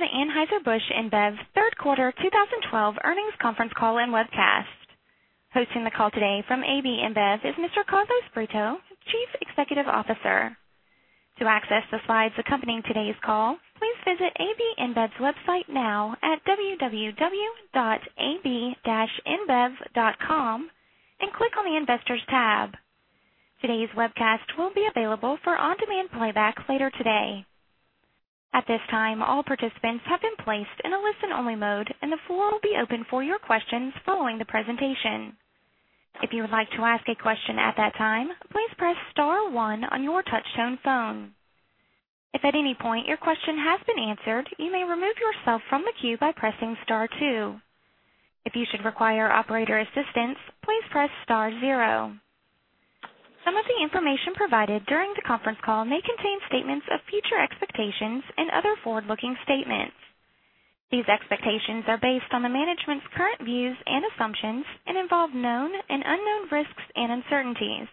Welcome to the Anheuser-Busch InBev third quarter 2012 earnings conference call and webcast. Hosting the call today from AB InBev is Mr. Carlos Brito, Chief Executive Officer. To access the slides accompanying today's call, please visit ab-inbev.com and click on the investors tab. Today's webcast will be available for on-demand playback later today. At this time, all participants have been placed in a listen-only mode, and the floor will be open for your questions following the presentation. If you would like to ask a question at that time, please press star one on your touch-tone phone. If at any point your question has been answered, you may remove yourself from the queue by pressing star two. If you should require operator assistance, please press star zero. Some of the information provided during the conference call may contain statements of future expectations and other forward-looking statements. These expectations are based on the management's current views and assumptions and involve known and unknown risks and uncertainties.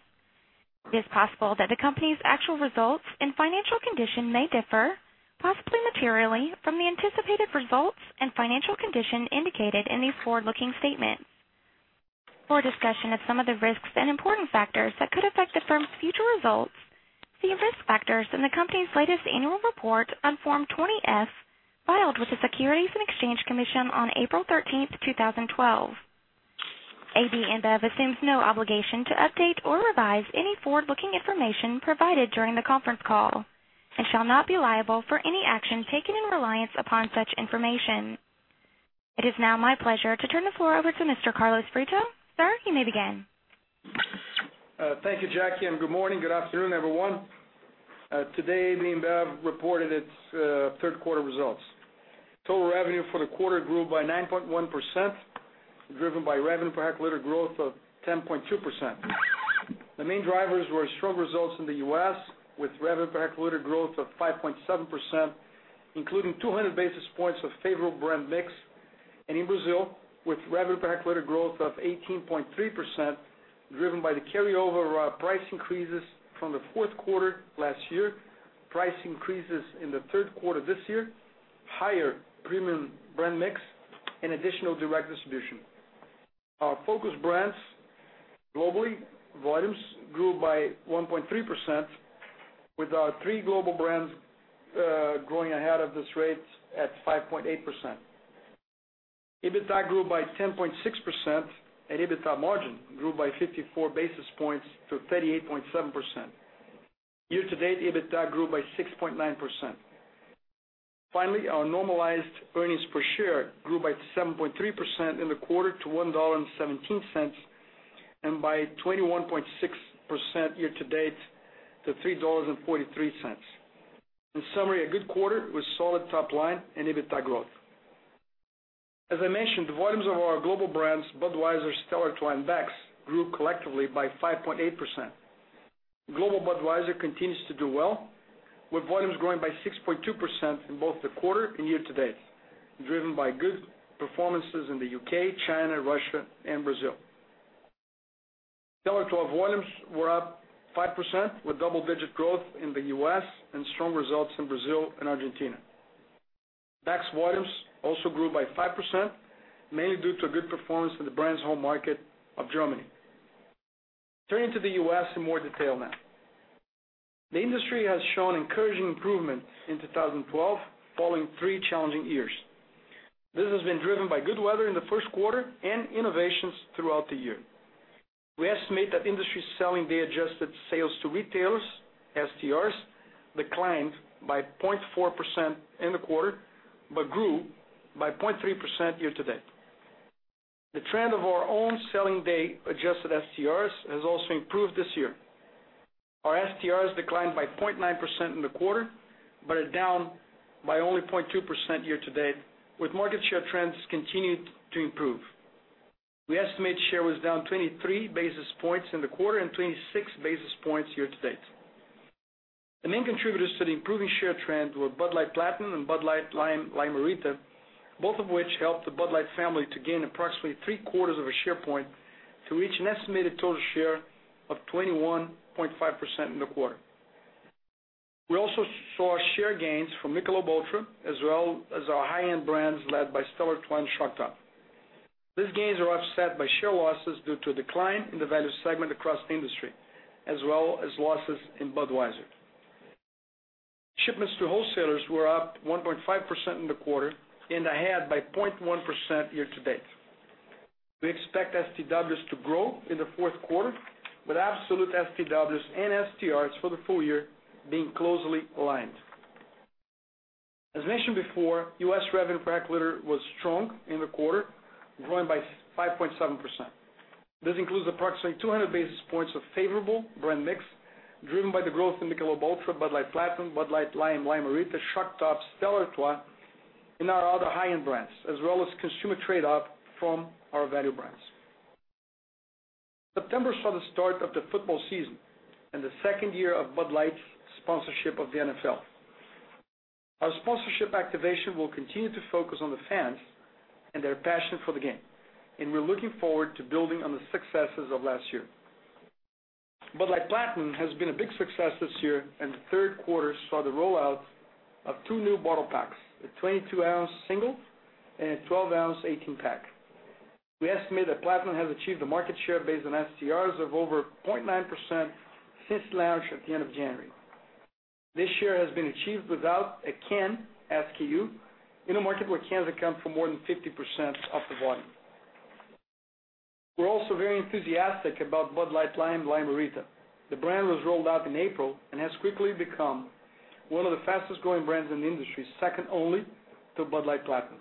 It is possible that the company's actual results and financial condition may differ, possibly materially, from the anticipated results and financial condition indicated in these forward-looking statements. For a discussion of some of the risks and important factors that could affect the firm's future results, see risk factors in the company's latest annual report on Form 20-F filed with the Securities and Exchange Commission on April 13th, 2012. AB InBev assumes no obligation to update or revise any forward-looking information provided during the conference call and shall not be liable for any action taken in reliance upon such information. It is now my pleasure to turn the floor over to Mr. Carlos Brito. Sir, you may begin. Thank you, Jackie. Good morning, good afternoon, everyone. Today, AB InBev reported its third quarter results. Total revenue for the quarter grew by 9.1%, driven by revenue per hectoliter growth of 10.2%. The main drivers were strong results in the U.S., with revenue per hectoliter growth of 5.7%, including 200 basis points of favorable brand mix, and in Brazil, with revenue per hectoliter growth of 18.3%, driven by the carryover of price increases from the fourth quarter last year, price increases in the third quarter this year, higher premium brand mix, and additional direct distribution. Our focused brands globally, volumes grew by 1.3%, with our three global brands growing ahead of this rate at 5.8%. EBITDA grew by 10.6%, and EBITDA margin grew by 54 basis points to 38.7%. Year-to-date, EBITDA grew by 6.9%. Finally, our normalized earnings per share grew by 7.3% in the quarter to $1.17 and by 21.6% year-to-date to $3.43. In summary, a good quarter with solid top line and EBITDA growth. As I mentioned, the volumes of our global brands, Budweiser, Stella Artois, and Beck's, grew collectively by 5.8%. Global Budweiser continues to do well, with volumes growing by 6.2% in both the quarter and year-to-date, driven by good performances in the U.K., China, Russia, and Brazil. Stella Artois volumes were up 5% with double-digit growth in the U.S. and strong results in Brazil and Argentina. Beck's volumes also grew by 5%, mainly due to a good performance in the brand's home market of Germany. Turning to the U.S. in more detail now. The industry has shown encouraging improvement in 2012 following three challenging years. This has been driven by good weather in the first quarter and innovations throughout the year. We estimate that industry selling day-adjusted sales to retailers, STRs, declined by 0.4% in the quarter but grew by 0.3% year-to-date. The trend of our own selling day-adjusted STRs has also improved this year. Our STRs declined by 0.9% in the quarter but are down by only 0.2% year-to-date, with market share trends continued to improve. We estimate share was down 23 basis points in the quarter and 26 basis points year-to-date. The main contributors to the improving share trend were Bud Light Platinum and Bud Light Lime-A-Rita, both of which helped the Bud Light family to gain approximately three-quarters of a share point to reach an estimated total share of 21.5% in the quarter. We also saw share gains from Michelob ULTRA, as well as our high-end brands led by Stella Artois and Shock Top. These gains are offset by share losses due to a decline in the value segment across the industry, as well as losses in Budweiser. Shipments to wholesalers were up 1.5% in the quarter and ahead by 0.1% year-to-date. We expect STWs to grow in the fourth quarter, with absolute STWs and STRs for the full year being closely aligned. As mentioned before, U.S. revenue per hectoliter was strong in the quarter, growing by 5.7%. This includes approximately 200 basis points of favorable brand mix driven by the growth in Michelob ULTRA, Bud Light Platinum, Bud Light Lime-A-Rita, Shock Top, Stella Artois, and our other high-end brands, as well as consumer trade-up from our value brands. September saw the start of the football season and the second year of Bud Light's sponsorship of the NFL. Our sponsorship activation will continue to focus on the fans and their passion for the game, we're looking forward to building on the successes of last year. Bud Light Platinum has been a big success this year, and the third quarter saw the rollout of two new bottle packs, a 22-ounce single and a 12-ounce 18 pack. We estimate that Platinum has achieved a market share based on STRs of over 0.9% since launch at the end of January. This year has been achieved without a can SKU in a market where cans account for more than 50% of the volume. We're also very enthusiastic about Bud Light Lime Lime-A-Rita. The brand was rolled out in April and has quickly become one of the fastest-growing brands in the industry, second only to Bud Light Platinum.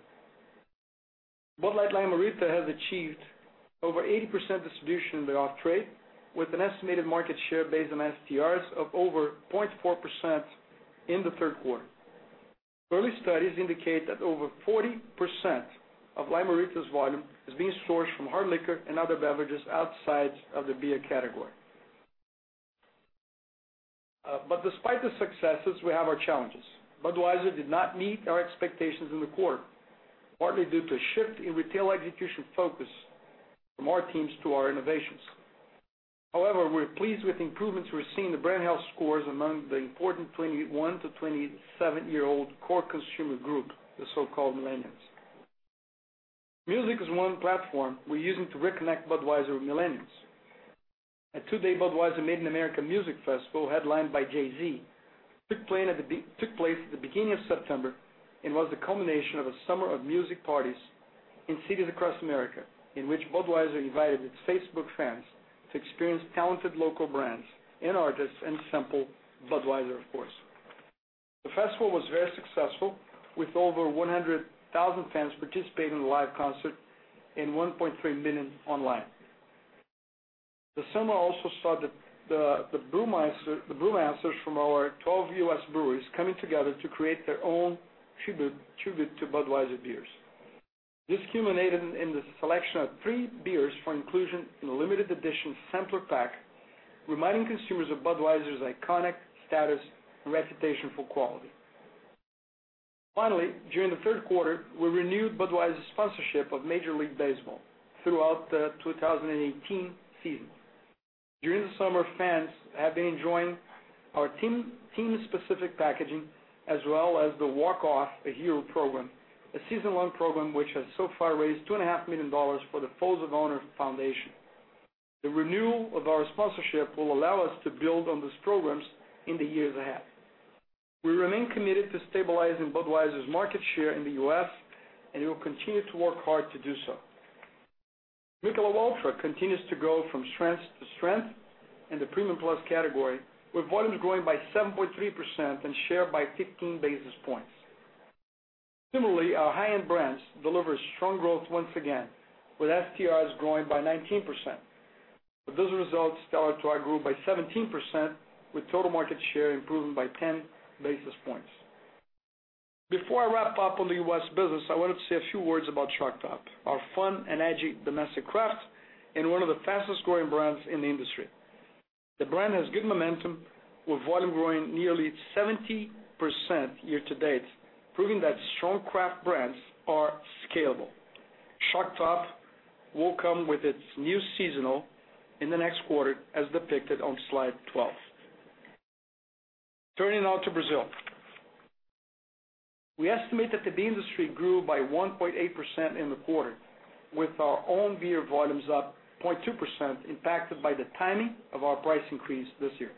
Bud Light Lime-A-Rita has achieved over 80% distribution in the off trade with an estimated market share based on STRs of over 0.4% in the third quarter. Early studies indicate that over 40% of Lime-A-Rita's volume is being sourced from hard liquor and other beverages outside of the beer category. Despite the successes, we have our challenges. Budweiser did not meet our expectations in the quarter, partly due to a shift in retail execution focus from our teams to our innovations. However, we're pleased with the improvements we're seeing the brand health scores among the important 21 to 27-year-old core consumer group, the so-called Millennials. Music is one platform we're using to reconnect Budweiser with Millennials. A two-day Budweiser Made in America music festival headlined by Jay-Z took place at the beginning of September and was the culmination of a summer of music parties in cities across America, in which Budweiser invited its Facebook fans to experience talented local brands and artists and simple Budweiser, of course. The festival was very successful, with over 100,000 fans participating in the live concert and 1.3 million online. This summer also saw the brewmasters from our 12 U.S. breweries coming together to create their own tribute to Budweiser beers. This culminated in the selection of three beers for inclusion in a limited edition sampler pack, reminding consumers of Budweiser's iconic status and reputation for quality. Finally, during the third quarter, we renewed Budweiser's sponsorship of Major League Baseball throughout the 2018 season. During the summer, fans have been enjoying our team-specific packaging as well as the Walk Off a Hero program, a season-long program which has so far raised $2.5 million for the Folds of Honor Foundation. The renewal of our sponsorship will allow us to build on these programs in the years ahead. We remain committed to stabilizing Budweiser's market share in the U.S., and we will continue to work hard to do so. Michelob ULTRA continues to grow from strength to strength in the premium plus category, with volumes growing by 7.3% and share by 15 basis points. Similarly, our high-end brands delivered strong growth once again, with STRs growing by 19%, with those results Stella Artois grew by 17%, with total market share improving by 10 basis points. Before I wrap up on the U.S. business, I wanted to say a few words about Shock Top, our fun and edgy domestic craft and one of the fastest-growing brands in the industry. The brand has good momentum, with volume growing nearly 70% year-to-date, proving that strong craft brands are scalable. Shock Top will come with its new seasonal in the next quarter, as depicted on slide 12. Turning now to Brazil. We estimate that the beer industry grew by 1.8% in the quarter, with our own beer volumes up 0.2%, impacted by the timing of our price increase this year.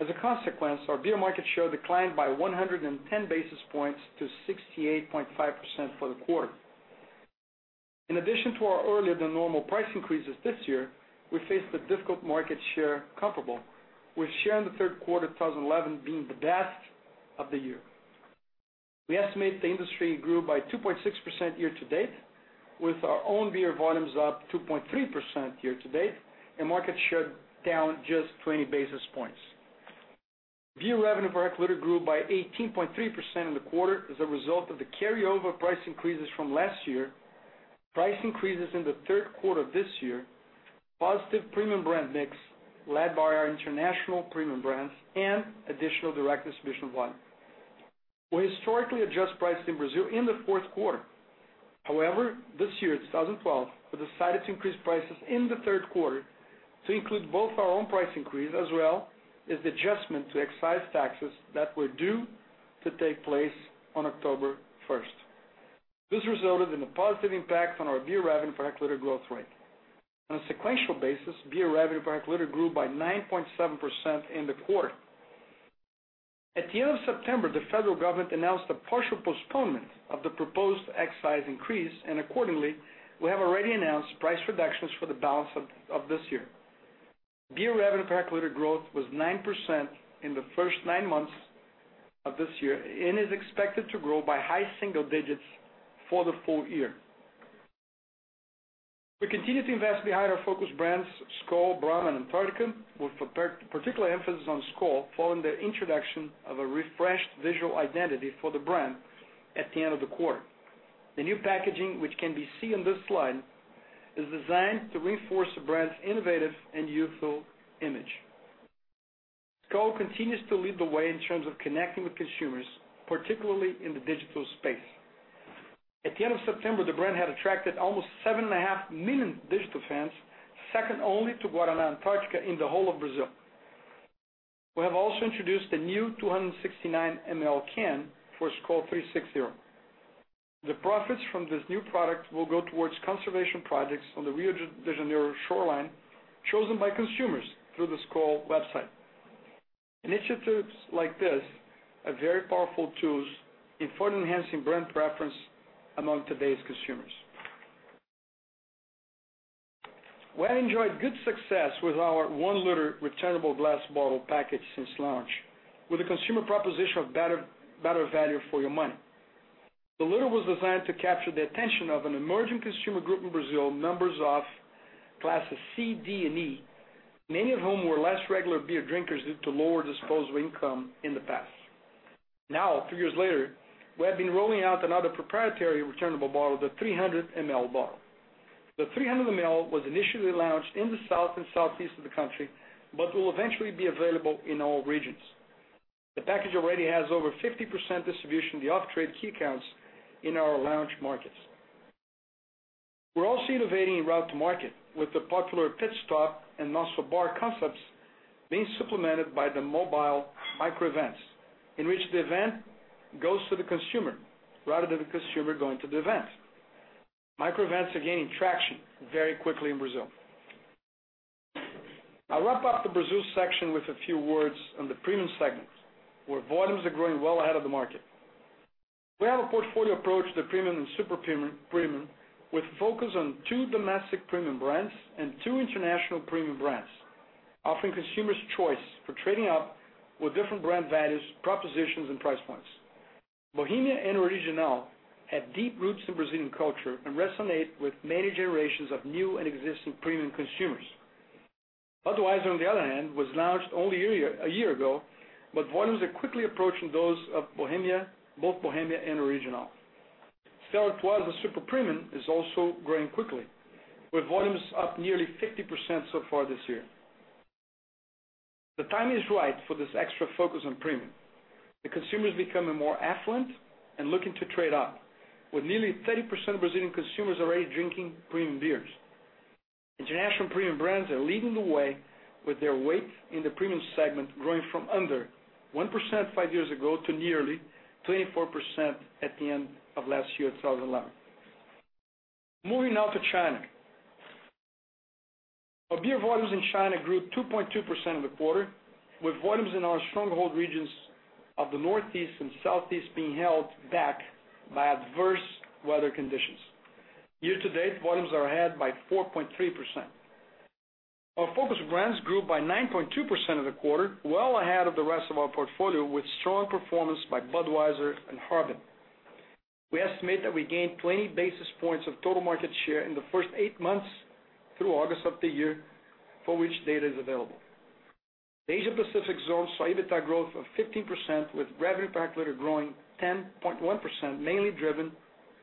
As a consequence, our beer market share declined by 110 basis points to 68.5% for the quarter. In addition to our earlier than normal price increases this year, we faced a difficult market share comparable, with share in the third quarter 2011 being the best of the year. We estimate the industry grew by 2.6% year-to-date, with our own beer volumes up 2.3% year-to-date and market share down just 20 basis points. Beer revenue per hectoliter grew by 18.3% in the quarter as a result of the carry-over price increases from last year, price increases in the third quarter of this year, positive premium brand mix led by our international premium brands, and additional direct distribution volume. We historically adjust price in Brazil in the fourth quarter. However, this year, 2012, we decided to increase prices in the third quarter to include both our own price increase as well as the adjustment to excise taxes that were due to take place on October 1st. This resulted in a positive impact on our beer revenue per hectoliter growth rate. On a sequential basis, beer revenue per hectoliter grew by 9.7% in the quarter. At the end of September, the federal government announced a partial postponement of the proposed excise increase. Accordingly, we have already announced price reductions for the balance of this year. Beer revenue per hectoliter growth was 9% in the first nine months of this year and is expected to grow by high single digits for the full year. We continue to invest behind our focus brands, Skol, Brahma, and Antarctica, with particular emphasis on Skol following the introduction of a refreshed visual identity for the brand at the end of the quarter. The new packaging, which can be seen on this slide, is designed to reinforce the brand's innovative and youthful image. Skol continues to lead the way in terms of connecting with consumers, particularly in the digital space. At the end of September, the brand had attracted almost 7.5 million digital fans, second only to Guaraná Antarctica in the whole of Brazil. We have also introduced a new 269 mL can for Skol 360. The profits from this new product will go towards conservation projects on the Rio de Janeiro shoreline, chosen by consumers through the Skol website. Initiatives like this are very powerful tools in further enhancing brand preference among today's consumers. We have enjoyed good success with our one-liter returnable glass bottle package since launch, with a consumer proposition of better value for your money. The liter was designed to capture the attention of an emerging consumer group in Brazil, numbers of classes C, D, and E, many of whom were less regular beer drinkers due to lower disposable income in the past. Now, two years later, we have been rolling out another proprietary returnable bottle, the 300 mL bottle. The 300 mL was initially launched in the south and southeast of the country, but will eventually be available in all regions. The package already has over 50% distribution in the off-trade key accounts in our launch markets. We're also innovating in route to market, with the popular pit stop and muscle bar concepts being supplemented by the mobile micro events, in which the event goes to the consumer rather than the consumer going to the event. Micro events are gaining traction very quickly in Brazil. I'll wrap up the Brazil section with a few words on the premium segment, where volumes are growing well ahead of the market. We have a portfolio approach to premium and super premium, with a focus on two domestic premium brands and two international premium brands, offering consumers choice for trading up with different brand values, propositions, and price points. Bohemia and Original have deep roots in Brazilian culture and resonate with many generations of new and existing premium consumers. Budweiser, on the other hand, was launched only a year ago, but volumes are quickly approaching those of both Bohemia and Original. Stella Artois as a super premium is also growing quickly, with volumes up nearly 50% so far this year. The time is right for this extra focus on premium. The consumer is becoming more affluent and looking to trade up, with nearly 30% of Brazilian consumers already drinking premium beers. International premium brands are leading the way, with their weight in the premium segment growing from under 1% five years ago to nearly 24% at the end of last year, 2011. Moving now to China. Our beer volumes in China grew 2.2% in the quarter, with volumes in our stronghold regions of the northeast and southeast being held back by adverse weather conditions. Year-to-date, volumes are ahead by 4.3%. Our focus brands grew by 9.2% of the quarter, well ahead of the rest of our portfolio, with strong performance by Budweiser and Harbin. We estimate that we gained 20 basis points of total market share in the first eight months through August of the year for which data is available. The Asia-Pacific zone saw EBITDA growth of 15%, with revenue per hectoliter growing 10.1%, mainly driven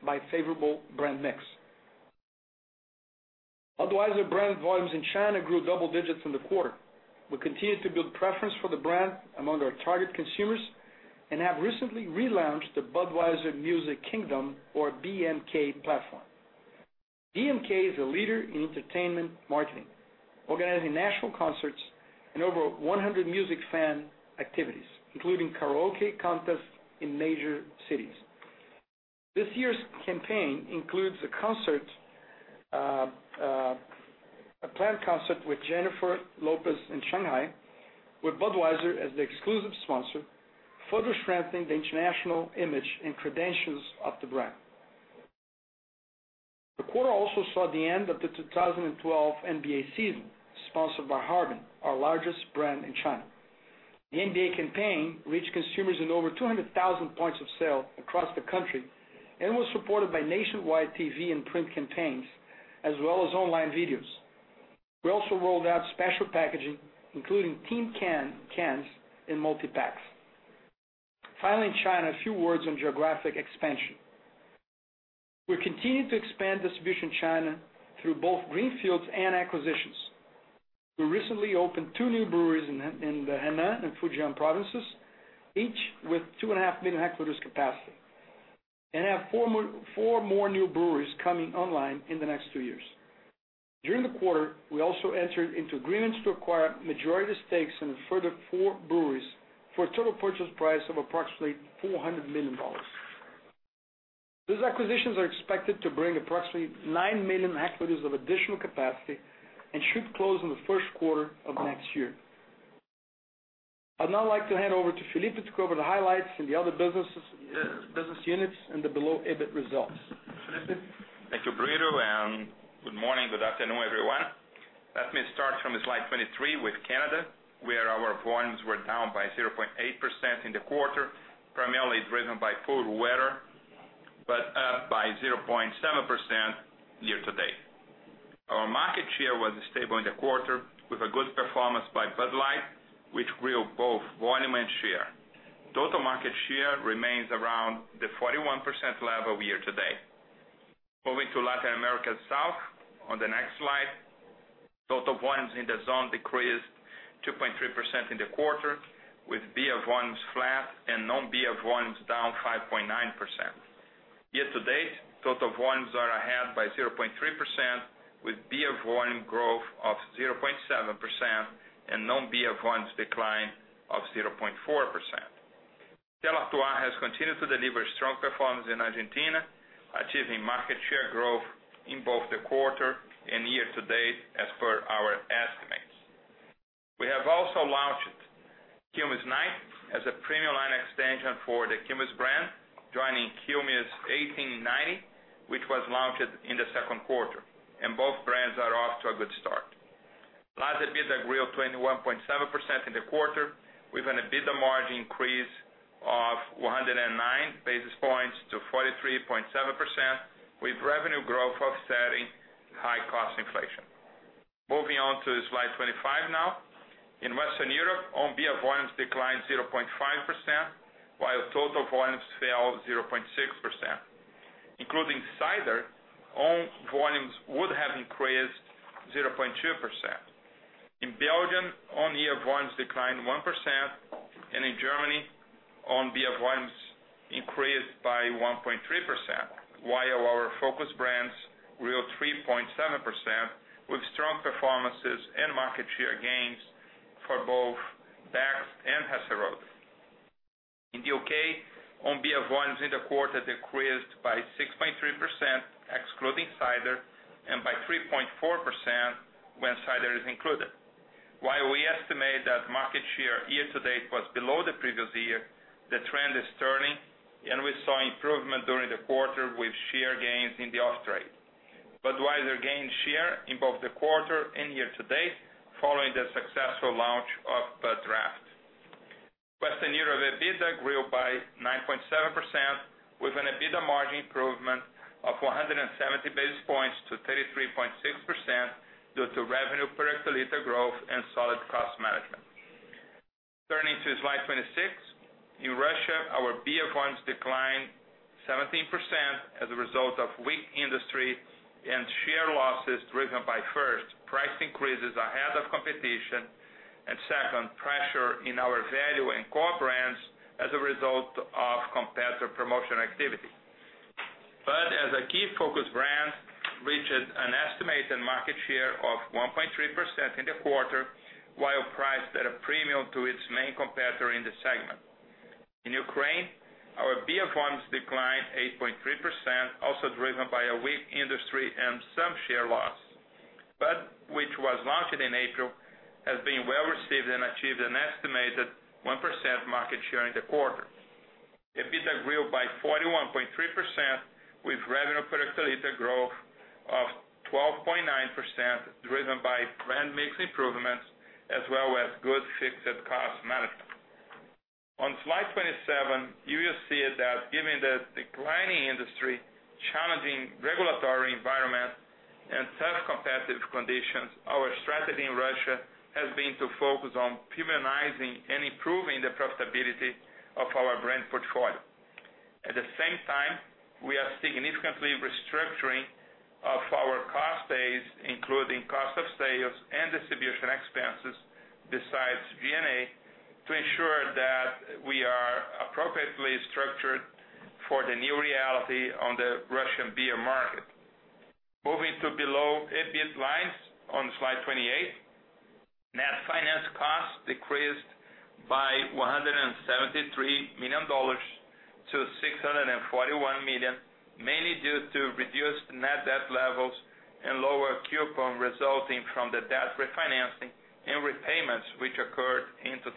by favorable brand mix. Budweiser brand volumes in China grew double digits in the quarter. We continue to build preference for the brand among our target consumers and have recently relaunched the Budweiser Music Kingdom, or BMK platform. BMK is a leader in entertainment marketing, organizing national concerts and over 100 music fan activities, including karaoke contests in major cities. This year's campaign includes a planned concert with Jennifer Lopez in Shanghai, with Budweiser as the exclusive sponsor, further strengthening the international image and credentials of the brand. The quarter also saw the end of the 2012 NBA season, sponsored by Harbin, our largest brand in China. The NBA campaign reached consumers in over 200,000 points of sale across the country and was supported by nationwide TV and print campaigns, as well as online videos. We also rolled out special packaging, including team cans, and multipacks. Finally, in China, a few words on geographic expansion. We continue to expand distribution in China through both green fields and acquisitions. We recently opened two new breweries in the Henan and Fujian provinces, each with two and a half million hectoliters capacity, and have four more new breweries coming online in the next two years. During the quarter, we also entered into agreements to acquire majority stakes in a further four breweries for a total purchase price of approximately $400 million. These acquisitions are expected to bring approximately nine million hectoliters of additional capacity and should close in the first quarter of next year. I'd now like to hand over to Felipe to cover the highlights in the other business units and the below EBIT results. Felipe? Thank you, Brito, and good morning, good afternoon, everyone. Let me start from slide 23 with Canada, where our volumes were down by 0.8% in the quarter, primarily driven by poor weather, but up by 0.7% year-to-date. Our market share was stable in the quarter with a good performance by Bud Light, which grew both volume and share. Remains around the 41% level year-to-date. Moving to Latin America South on the next slide. Total volumes in the zone decreased 2.3% in the quarter, with beer volumes flat and non-beer volumes down 5.9%. Year-to-date, total volumes are ahead by 0.3%, with beer volume growth of 0.7% and non-beer volumes decline of 0.4%. Stella Artois has continued to deliver strong performance in Argentina, achieving market share growth in both the quarter and year-to-date as per our estimates. We have also launched Quilmes Night as a premium line extension for the Quilmes brand, joining Quilmes 1890, which was launched in the second quarter. Both brands are off to a good start. LAS EBITDA grew 21.7% in the quarter with an EBITDA margin increase of 109 basis points to 43.7%, with revenue growth offsetting high cost inflation. Moving on to slide 25 now. In Western Europe, own beer volumes declined 0.5%, while total volumes fell 0.6%. Including cider, own volumes would have increased 0.2%. In Belgium, on-year volumes declined 1%, and in Germany, own beer volumes increased by 1.3%, while our focus brands grew 3.7%, with strong performances and market share gains for both Beck's and Hasseröder. In the U.K., own beer volumes in the quarter decreased by 6.3%, excluding cider, and by 3.4% when cider is included. While we estimate that market share year-to-date was below the previous year, the trend is turning, and we saw improvement during the quarter with share gains in the off trade. Budweiser gained share in both the quarter and year-to-date following the successful launch of Bud Draft. Western Europe EBITDA grew by 9.7% with an EBITDA margin improvement of 170 basis points to 33.6% due to revenue per hectolitre growth and solid cost management. Turning to slide 26. In Russia, our beer volumes declined 17% as a result of weak industry and share losses driven by, first, price increases ahead of competition, and second, pressure in our value and core brands as a result of competitor promotion activity. Bud, as a key focus brand, reached an estimated market share of 1.3% in the quarter, while priced at a premium to its main competitor in the segment. In Ukraine, our beer volumes declined 8.3%, also driven by a weak industry and some share loss. Bud, which was launched in April, has been well-received and achieved an estimated 1% market share in the quarter. EBITDA grew by 41.3% with revenue per hectolitre growth of 12.9%, driven by brand mix improvements as well as good fixed cost management. On slide 27, you will see that given the declining industry, challenging regulatory environment, and tough competitive conditions, our strategy in Russia has been to focus on premiumizing and improving the profitability of our brand portfolio. At the same time, we are significantly restructuring our cost base, including cost of sales and distribution expenses besides G&A, to ensure that we are appropriately structured for the new reality on the Russian beer market. Moving to below EBIT lines on slide 28. Net finance costs decreased by $173 million to $641 million, mainly due to reduced net debt levels and lower coupon resulting from the debt refinancing and repayments which occurred in 2011.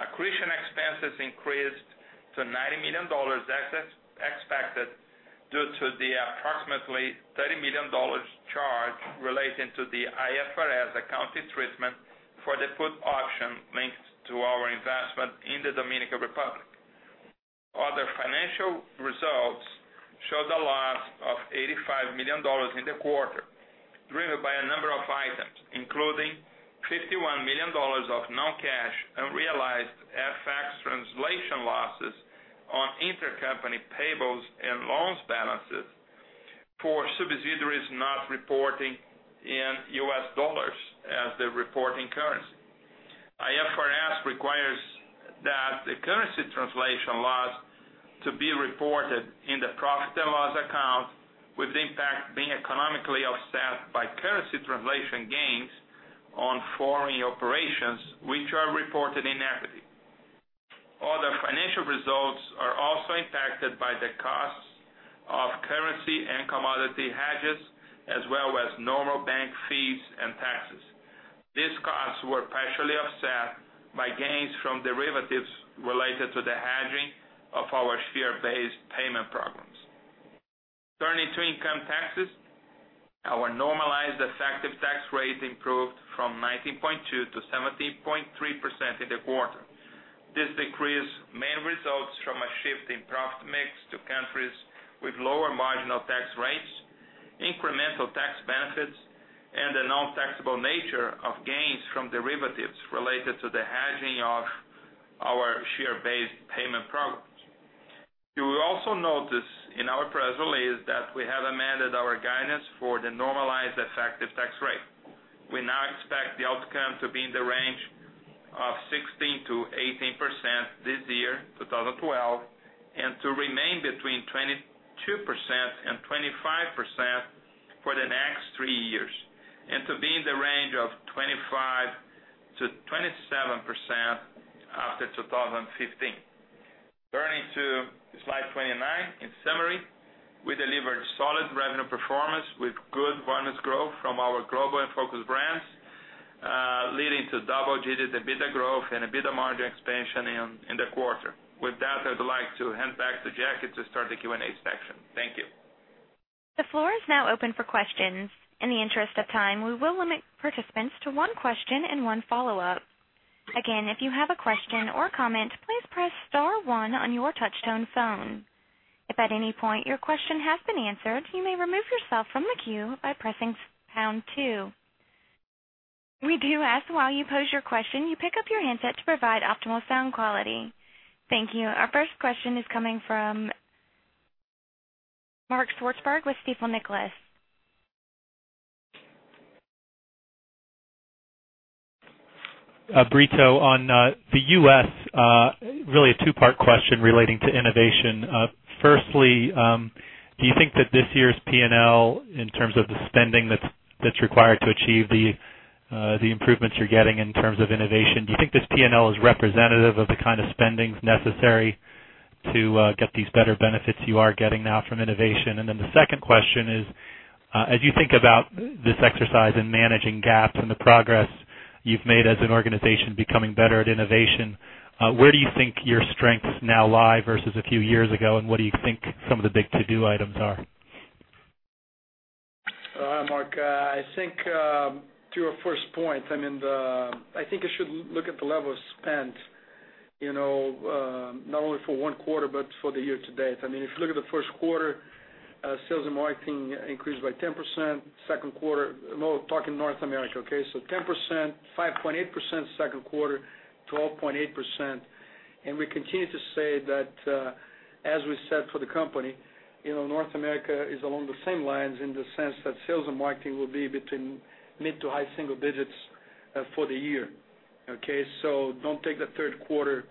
Accretion expenses increased to $90 million as expected due to the approximately $30 million charge relating to the IFRS accounting treatment for the put option linked to our investment in the Dominican Republic. Other financial results showed a loss of $85 million in the quarter, driven by a number of items, including $51 million of non-cash unrealized FX translation losses on intercompany payables and loans balances for subsidiaries not reporting in U.S. dollars as the reporting currency. IFRS requires that the currency translation loss to be reported in the profit and loss account, with the impact being economically offset by currency translation gains on foreign operations, which are reported in equity. Other financial results are also impacted by the costs of currency and commodity hedges, as well as normal bank fees and taxes. These costs were partially offset by gains from derivatives related to the hedging of our share-based payment programs. Turning to income taxes. Our normalized effective tax rate improved from 19.2% to 17.3% in the quarter. This decrease mainly results from a shift in profit mix to countries with lower marginal tax rates, incremental tax benefits -table nature of gains from derivatives related to the hedging of our share-based payment programs. You will also notice in our press release that we have amended our guidance for the normalized effective tax rate. We now expect the outcome to be in the range of 16%-18% this year, 2012, and to remain between 22% and 25% for the next three years, and to be in the range of 25%-27% after 2015. Turning to slide 29, in summary, we delivered solid revenue performance with good volume growth from our global and focus brands, leading to double-digit EBITDA growth and EBITDA margin expansion in the quarter. With that, I'd like to hand back to Jackie to start the Q&A section. Thank you. The floor is now open for questions. In the interest of time, we will limit participants to one question and one follow-up. Again, if you have a question or comment, please press *1 on your touch-tone phone. If at any point your question has been answered, you may remove yourself from the queue by pressing #2. We do ask while you pose your question, you pick up your handset to provide optimal sound quality. Thank you. Our first question is coming from Mark Swartzberg with Stifel Nicolaus. Brito, on the U.S., really a two-part question relating to innovation. Firstly, do you think that this year's P&L, in terms of the spending that's required to achieve the improvements you're getting in terms of innovation, do you think this P&L is representative of the kind of spendings necessary to get these better benefits you are getting now from innovation? The second question is, as you think about this exercise in managing gaps and the progress you've made as an organization becoming better at innovation, where do you think your strengths now lie versus a few years ago, and what do you think some of the big to-do items are? Mark, I think to your first point, I think you should look at the level of spend, not only for one quarter but for the year-to-date. If you look at the first quarter, sales and marketing increased by 10%. Second quarter. We're talking North America, okay? 10%, 5.8% second quarter, 12.8%, and we continue to say that as we said for the company, North America is along the same lines in the sense that sales and marketing will be between mid to high single digits for the year, okay? Don't take the third quarter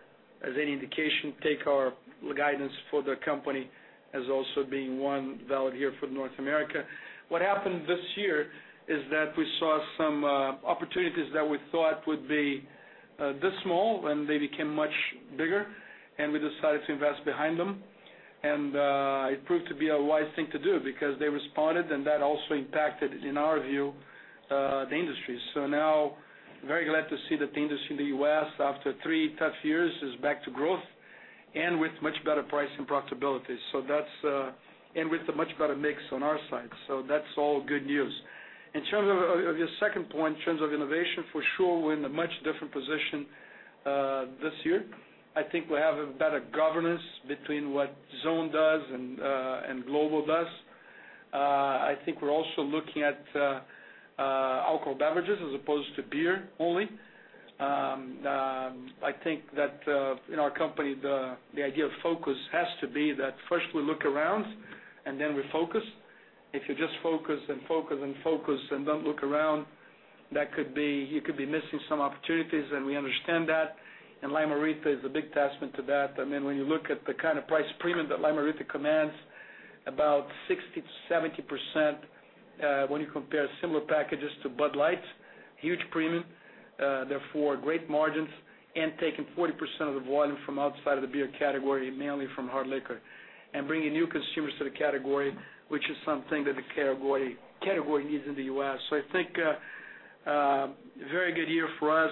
as any indication. Take our guidance for the company as also being one valid here for North America. What happened this year is that we saw some opportunities that we thought would be this small, and they became much bigger, and we decided to invest behind them. It proved to be a wise thing to do because they responded, and that also impacted, in our view, the industry. Now, very glad to see that the industry in the U.S., after three tough years, is back to growth and with much better price and profitability. With a much better mix on our side. That's all good news. In terms of your second point, in terms of innovation, for sure, we're in a much different position this year. I think we have a better governance between what zone does and global does. I think we're also looking at alcohol beverages as opposed to beer only. I think that in our company, the idea of focus has to be that first we look around and then we focus. If you just focus and focus and focus and don't look around, you could be missing some opportunities, and we understand that, and Lime-A-Rita is a big testament to that. When you look at the kind of price premium that Lime-A-Rita commands, about 60%-70%, when you compare similar packages to Bud Light, huge premium, therefore great margins, and taking 40% of the volume from outside of the beer category, mainly from hard liquor, and bringing new consumers to the category, which is something that the category needs in the U.S. I think a very good year for us.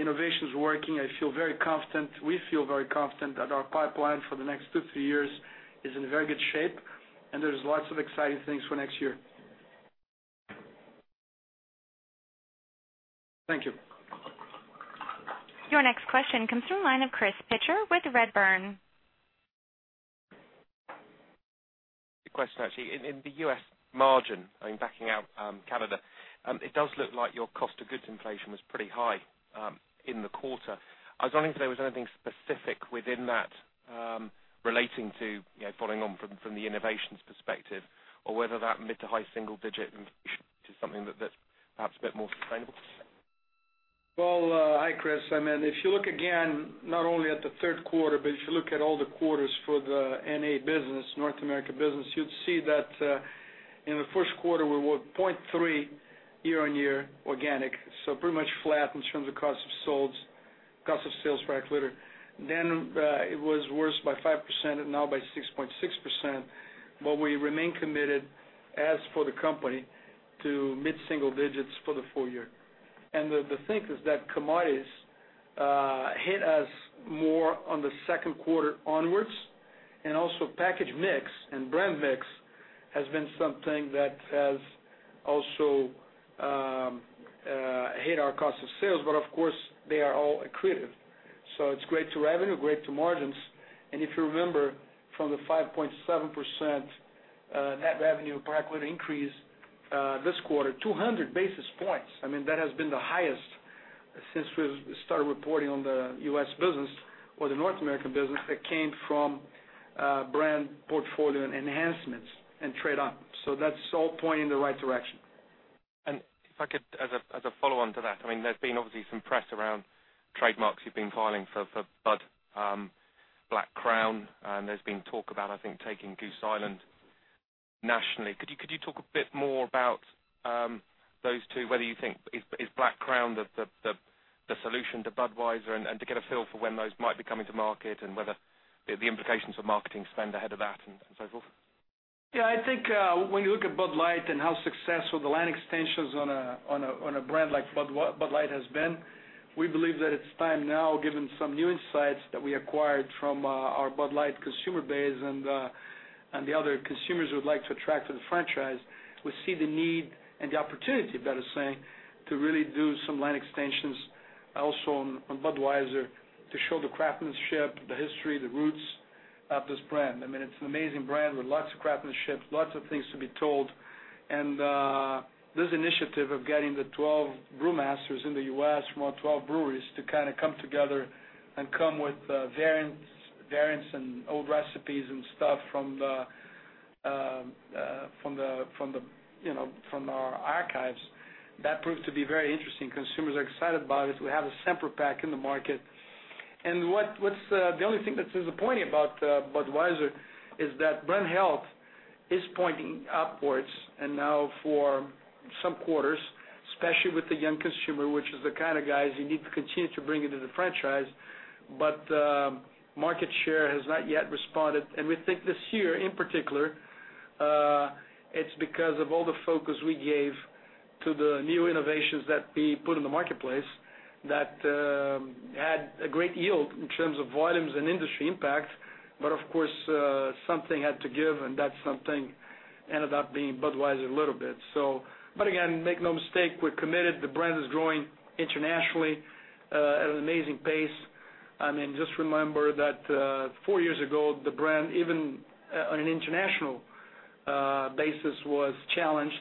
Innovation's working. I feel very confident, we feel very confident that our pipeline for the next two, three years is in very good shape, and there's lots of exciting things for next year. Thank you. Your next question comes from the line of Chris Pitcher with Redburn. Question actually. In the U.S. margin, backing out Canada, it does look like your cost of goods inflation was pretty high in the quarter. I was wondering if there was anything specific within that relating to following on from the innovations perspective or whether that mid-to-high single digit is something that's perhaps a bit more sustainable. Well, hi, Chris. If you look again, not only at the third quarter, but if you look at all the quarters for the NA business, North America business, you'd see that in the first quarter, we were 0.3% year-on-year organic, so pretty much flat in terms of cost of sales for our quarter. It was worse by 5% and now by 6.6%, but we remain committed, as for the company, to mid-single digits for the full year. The thing is that commodities hit us more on the second quarter onwards. Also package mix and brand mix has been something that has also hit our cost of sales. Of course, they are all accretive. It's great to revenue, great to margins. If you remember from the 5.7% net revenue per equity increase this quarter, 200 basis points. That has been the highest since we've started reporting on the U.S. business or the North American business that came from brand portfolio and enhancements and trade on. That's all pointing in the right direction. If I could, as a follow-on to that, there's been obviously some press around trademarks you've been filing for Bud, Black Crown, and there's been talk about, I think, taking Goose Island nationally. Could you talk a bit more about those two, whether you think is Black Crown the solution to Budweiser, and to get a feel for when those might be coming to market and whether the implications of marketing spend ahead of that and so forth? Yeah, I think when you look at Bud Light and how successful the line extensions on a brand like Bud Light has been, we believe that it's time now, given some new insights that we acquired from our Bud Light consumer base and the other consumers we would like to attract to the franchise. We see the need and the opportunity, better saying, to really do some line extensions also on Budweiser to show the craftsmanship, the history, the roots of this brand. It's an amazing brand with lots of craftsmanship, lots of things to be told. This initiative of getting the 12 brewmasters in the U.S. from our 12 breweries to kind of come together and come with variants and old recipes and stuff from our archives, that proved to be very interesting. Consumers are excited about it. We have a sampler pack in the market. The only thing that's disappointing about Budweiser is that brand health is pointing upwards, and now for some quarters, especially with the young consumer, which is the kind of guys you need to continue to bring into the franchise. Market share has not yet responded. We think this year, in particular, it's because of all the focus we gave to the new innovations that we put in the marketplace that had a great yield in terms of volumes and industry impact. Of course, something had to give, and that something ended up being Budweiser a little bit. Again, make no mistake, we're committed. The brand is growing internationally at an amazing pace. Just remember that four years ago, the brand, even on an international basis, was challenged.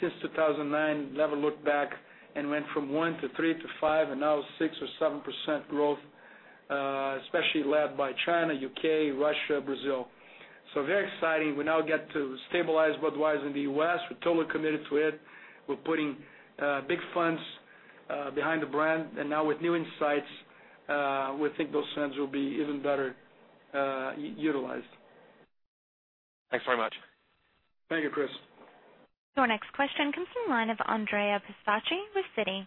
Since 2009, never looked back and went from one to three to five and now 6% or 7% growth, especially led by China, U.K., Russia, Brazil. Very exciting. We now get to stabilize Budweiser in the U.S. We're totally committed to it. We're putting big funds behind the brand. Now with new insights, we think those funds will be even better utilized. Thanks very much. Thank you, Chris. Your next question comes from the line of Andrea Pistacchi with Citi.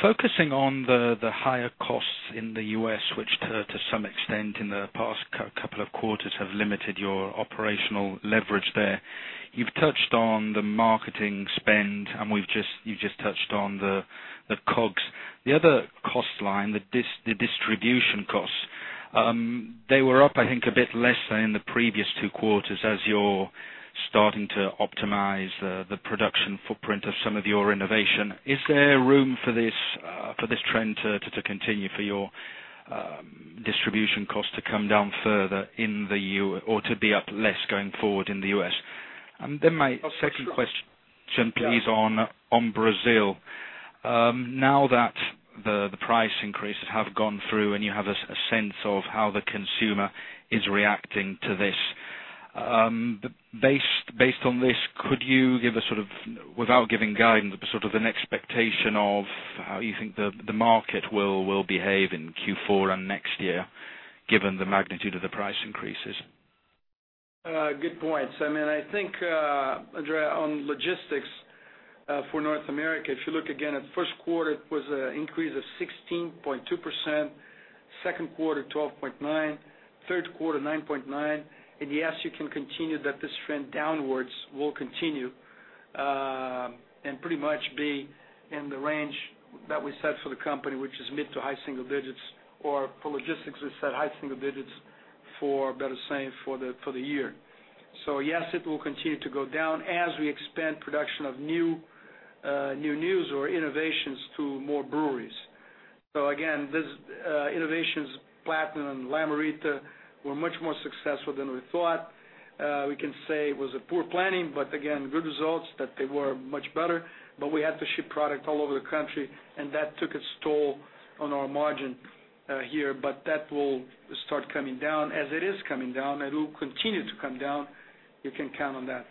Focusing on the higher costs in the U.S., which to some extent in the past couple of quarters have limited your operational leverage there. You've touched on the marketing spend, and you just touched on the COGS. The other cost line, the distribution costs, they were up, I think, a bit less than in the previous two quarters as you're starting to optimize the production footprint of some of your innovation. Is there room for this trend to continue for your distribution cost to come down further or to be up less going forward in the U.S.? My second question, please, on Brazil. Now that the price increases have gone through and you have a sense of how the consumer is reacting to this. Based on this, could you give us, without giving guidance, an expectation of how you think the market will behave in Q4 and next year, given the magnitude of the price increases? Good points. I think, Andrea, on logistics for North America, if you look again at first quarter, it was an increase of 16.2%, second quarter, 12.9%, third quarter, 9.9%. Yes, you can continue that this trend downwards will continue, and pretty much be in the range that we set for the company, which is mid to high single digits, or for logistics, we set high single digits for better saying for the year. Again, these innovations, Platinum, Lime-A-Rita, were much more successful than we thought. We can say it was a poor planning, again, good results, that they were much better, we had to ship product all over the country, that took its toll on our margin here, that will start coming down as it is coming down. It will continue to come down. You can count on that.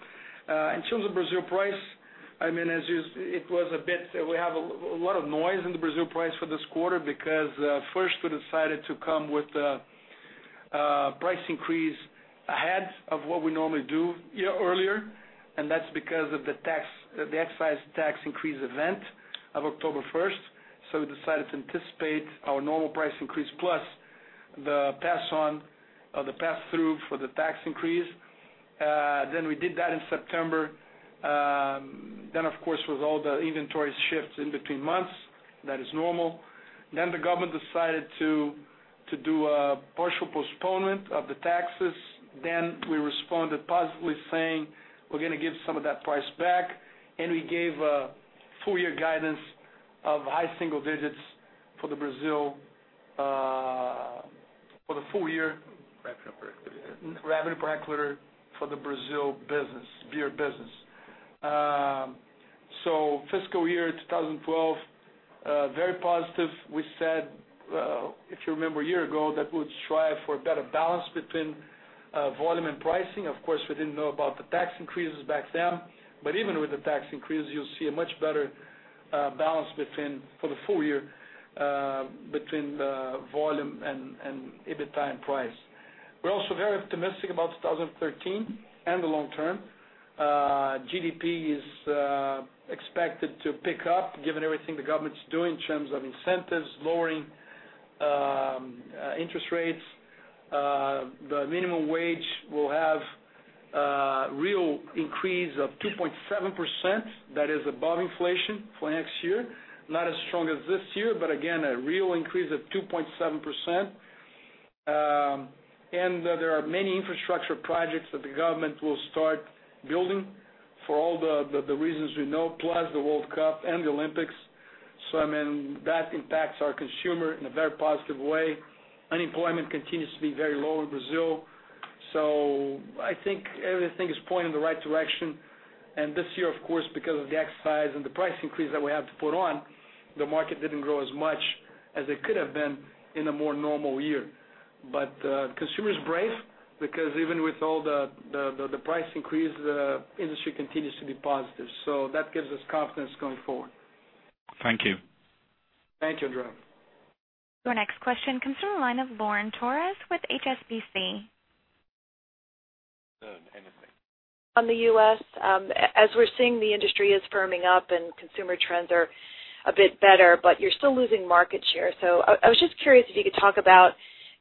In terms of Brazil price, we have a lot of noise in the Brazil price for this quarter because first we decided to come with a price increase ahead of what we normally do earlier, that's because of the excise tax increase event of October 1st. We decided to anticipate our normal price increase, plus the pass through for the tax increase. We did that in September. Of course, with all the inventory shifts in between months, that is normal. The government decided to do a partial postponement of the taxes. We responded positively saying, we're going to give some of that price back, we gave a full year guidance of high single digits for the Brazil for the full year- Revenue per hectoliter. Revenue per hectoliter for the Brazil business, beer business. Fiscal year 2012, very positive. We said, if you remember a year ago, that we would strive for a better balance between volume and pricing. Of course, we didn't know about the tax increases back then. Even with the tax increase, you'll see a much better balance for the full year between the volume and EBITDA and price. We're also very optimistic about 2013 and the long term. GDP is expected to pick up given everything the government's doing in terms of incentives, lowering interest rates. The minimum wage will have a real increase of 2.7%. That is above inflation for next year. Not as strong as this year, but again, a real increase of 2.7%. There are many infrastructure projects that the government will start building for all the reasons we know, plus the World Cup and the Olympics. I mean, that impacts our consumer in a very positive way. Unemployment continues to be very low in Brazil. I think everything is pointing in the right direction. This year, of course, because of the excise and the price increase that we had to put on, the market didn't grow as much as it could have been in a more normal year. The consumer's brave because even with all the price increase, the industry continues to be positive. That gives us confidence going forward. Thank you. Thank you, Andrew. Your next question comes from the line of Lauren Torres with HSBC. Lauren, HSBC. On the U.S., as we're seeing the industry is firming up, consumer trends are a bit better, you're still losing market share. I was just curious if you could talk about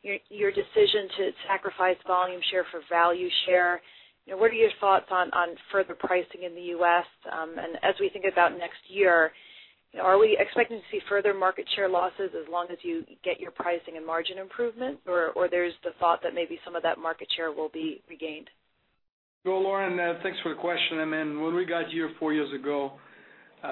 your decision to sacrifice volume share for value share. What are your thoughts on further pricing in the U.S.? As we think about next year, are we expecting to see further market share losses as long as you get your pricing and margin improvement, or there's the thought that maybe some of that market share will be regained? Well, Lauren, thanks for the question. I mean, when we got here four years ago,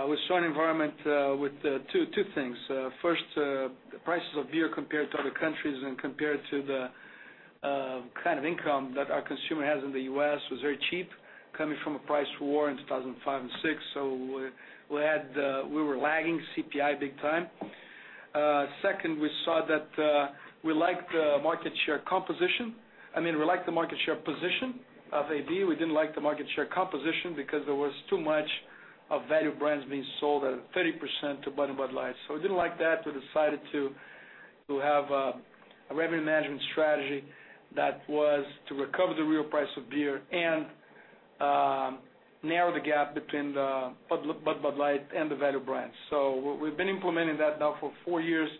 we saw an environment with two things. First, the prices of beer compared to other countries and compared to the kind of income that our consumer has in the U.S. was very cheap, coming from a price war in 2005 and 2006. We were lagging CPI big time. Second, we saw that we liked the market share composition. I mean, we liked the market share position of AB. We didn't like the market share composition because there was too much of value brands being sold at 30% to Bud and Bud Light. We didn't like that, we decided to have a revenue management strategy that was to recover the real price of beer and narrow the gap between the Bud Light, and the value brands. We've been implementing that now for four years.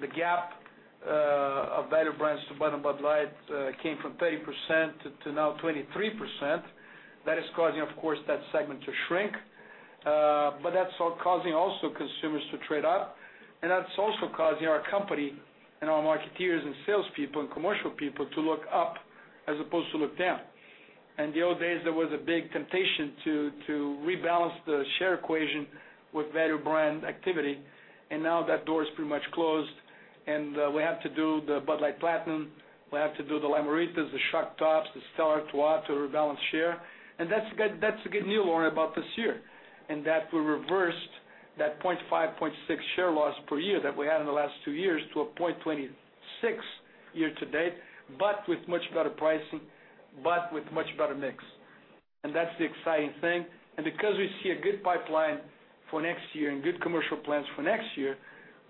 The gap of value brands to Bud and Bud Light came from 30% to now 23%. That is causing, of course, that segment to shrink. That's causing also consumers to trade up. That's also causing our company and our marketeers and salespeople and commercial people to look up as opposed to look down. In the old days, there was a big temptation to rebalance the share equation with value brand activity, now that door is pretty much closed, and we have to do the Bud Light Platinum, we have to do the Lime-A-Ritas, the Shock Tops, the Stella Artois to rebalance share. That's the good news, Lauren, about this year, in that we reversed that 0.5%, 0.6% share loss per year that we had in the last two years to a 0.26% year to date, with much better pricing, with much better mix. That's the exciting thing. Because we see a good pipeline for next year and good commercial plans for next year,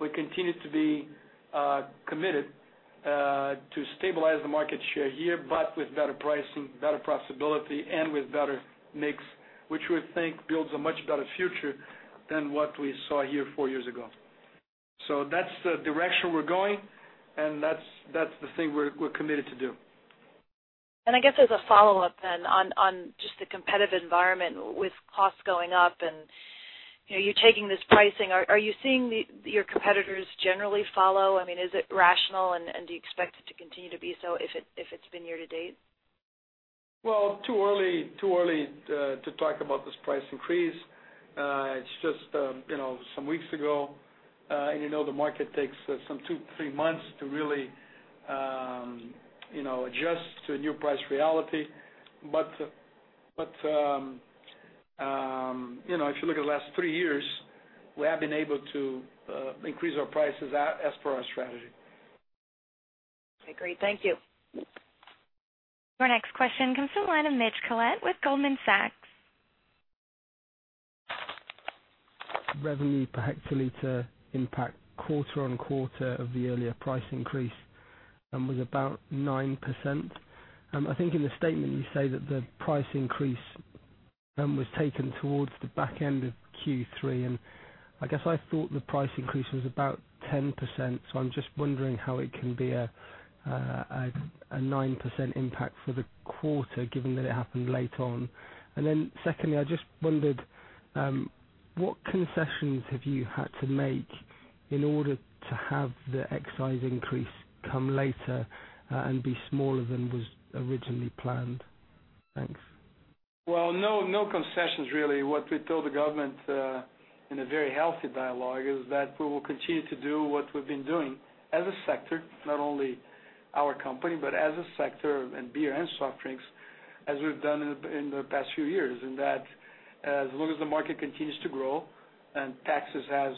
we continue to be committed to stabilize the market share here, with better pricing, better profitability, and with better mix, which we think builds a much better future than what we saw here four years ago. That's the direction we're going, that's the thing we're committed to do. I guess as a follow-up then on just the competitive environment with costs going up and you taking this pricing, are you seeing your competitors generally follow? I mean, is it rational, and do you expect it to continue to be so if it's been year to date? Well, too early to talk about this price increase. It's just some weeks ago, and the market takes some two to three months to really adjust to a new price reality. If you look at the last three years, we have been able to increase our prices as per our strategy. I agree. Thank you. Your next question comes from the line of Mitchell Collett with Goldman Sachs. Revenue per hectoliter impact quarter on quarter of the earlier price increase was about 9%. I think in the statement you say that the price increase was taken towards the back end of Q3, I guess I thought the price increase was about 10%, so I'm just wondering how it can be a 9% impact for the quarter, given that it happened late on. Secondly, I just wondered, what concessions have you had to make in order to have the excise increase come later and be smaller than was originally planned? Thanks. Well, no concessions, really. What we told the government, in a very healthy dialogue, is that we will continue to do what we've been doing as a sector, not only our company, but as a sector in beer and soft drinks, as we've done in the past few years. As long as the market continues to grow, Taxes has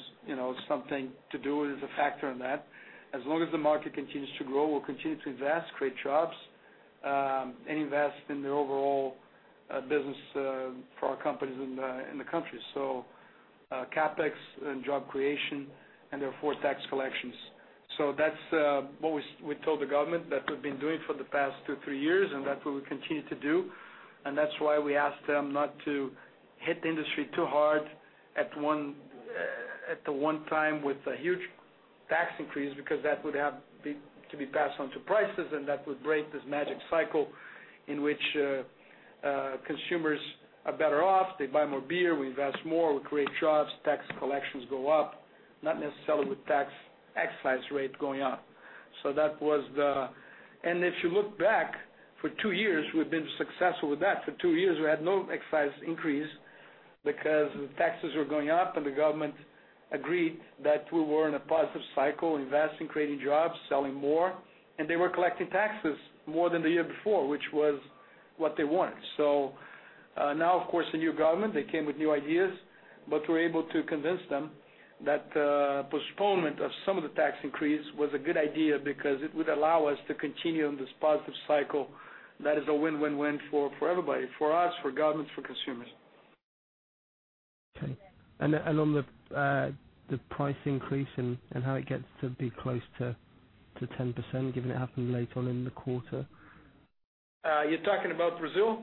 something to do with a factor in that. As long as the market continues to grow, we'll continue to invest, create jobs, and invest in the overall business for our companies in the country. CapEx and job creation, and therefore, tax collections. That's what we told the government that we've been doing for the past two, three years, and that's what we continue to do. That's why we asked them not to hit the industry too hard at the one time with a huge tax increase because that would have to be passed on to prices, and that would break this magic cycle in which consumers are better off. They buy more beer, we invest more, we create jobs, tax collections go up, not necessarily with tax excise rate going up. If you look back, for two years, we've been successful with that. For two years, we had no excise increase because the taxes were going up, and the government agreed that we were in a positive cycle, investing, creating jobs, selling more, and they were collecting taxes more than the year before, which was what they wanted. Now, of course, the new government, they came with new ideas. We were able to convince them that postponement of some of the tax increase was a good idea because it would allow us to continue on this positive cycle that is a win-win-win for everybody, for us, for government, for consumers. Okay. On the price increase and how it gets to be close to 10%, given it happened later on in the quarter. You're talking about Brazil?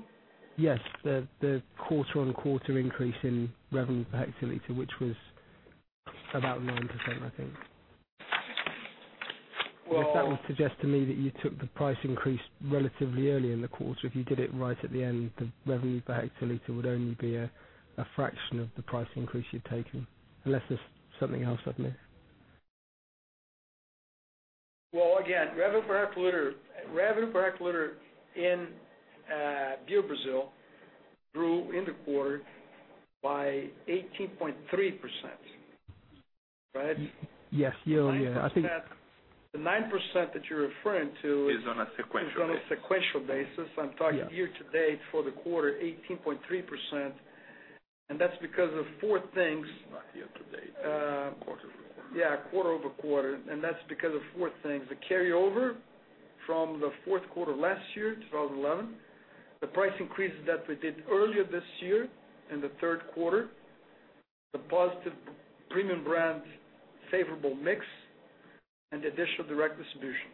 Yes. The quarter-on-quarter increase in revenue per hectoliter, which was about 9%, I think. Well- That would suggest to me that you took the price increase relatively early in the quarter. If you did it right at the end, the revenue per hectoliter would only be a fraction of the price increase you've taken, unless there's something else I've missed. Well, again, revenue per hectoliter in Beer Brazil grew in the quarter by 18.3%. Right? Yes. Year-over-year. The 9% that you're referring to. Is on a sequential basis. is on a sequential basis. I'm talking year-to-date for the quarter, 18.3%, and that's because of four things. Not year-to-date. Quarter-over-quarter. Yeah, quarter-over-quarter, that's because of four things. The carryover from the fourth quarter last year, 2011, the price increases that we did earlier this year in the third quarter, the positive premium brand favorable mix, and the additional direct distribution.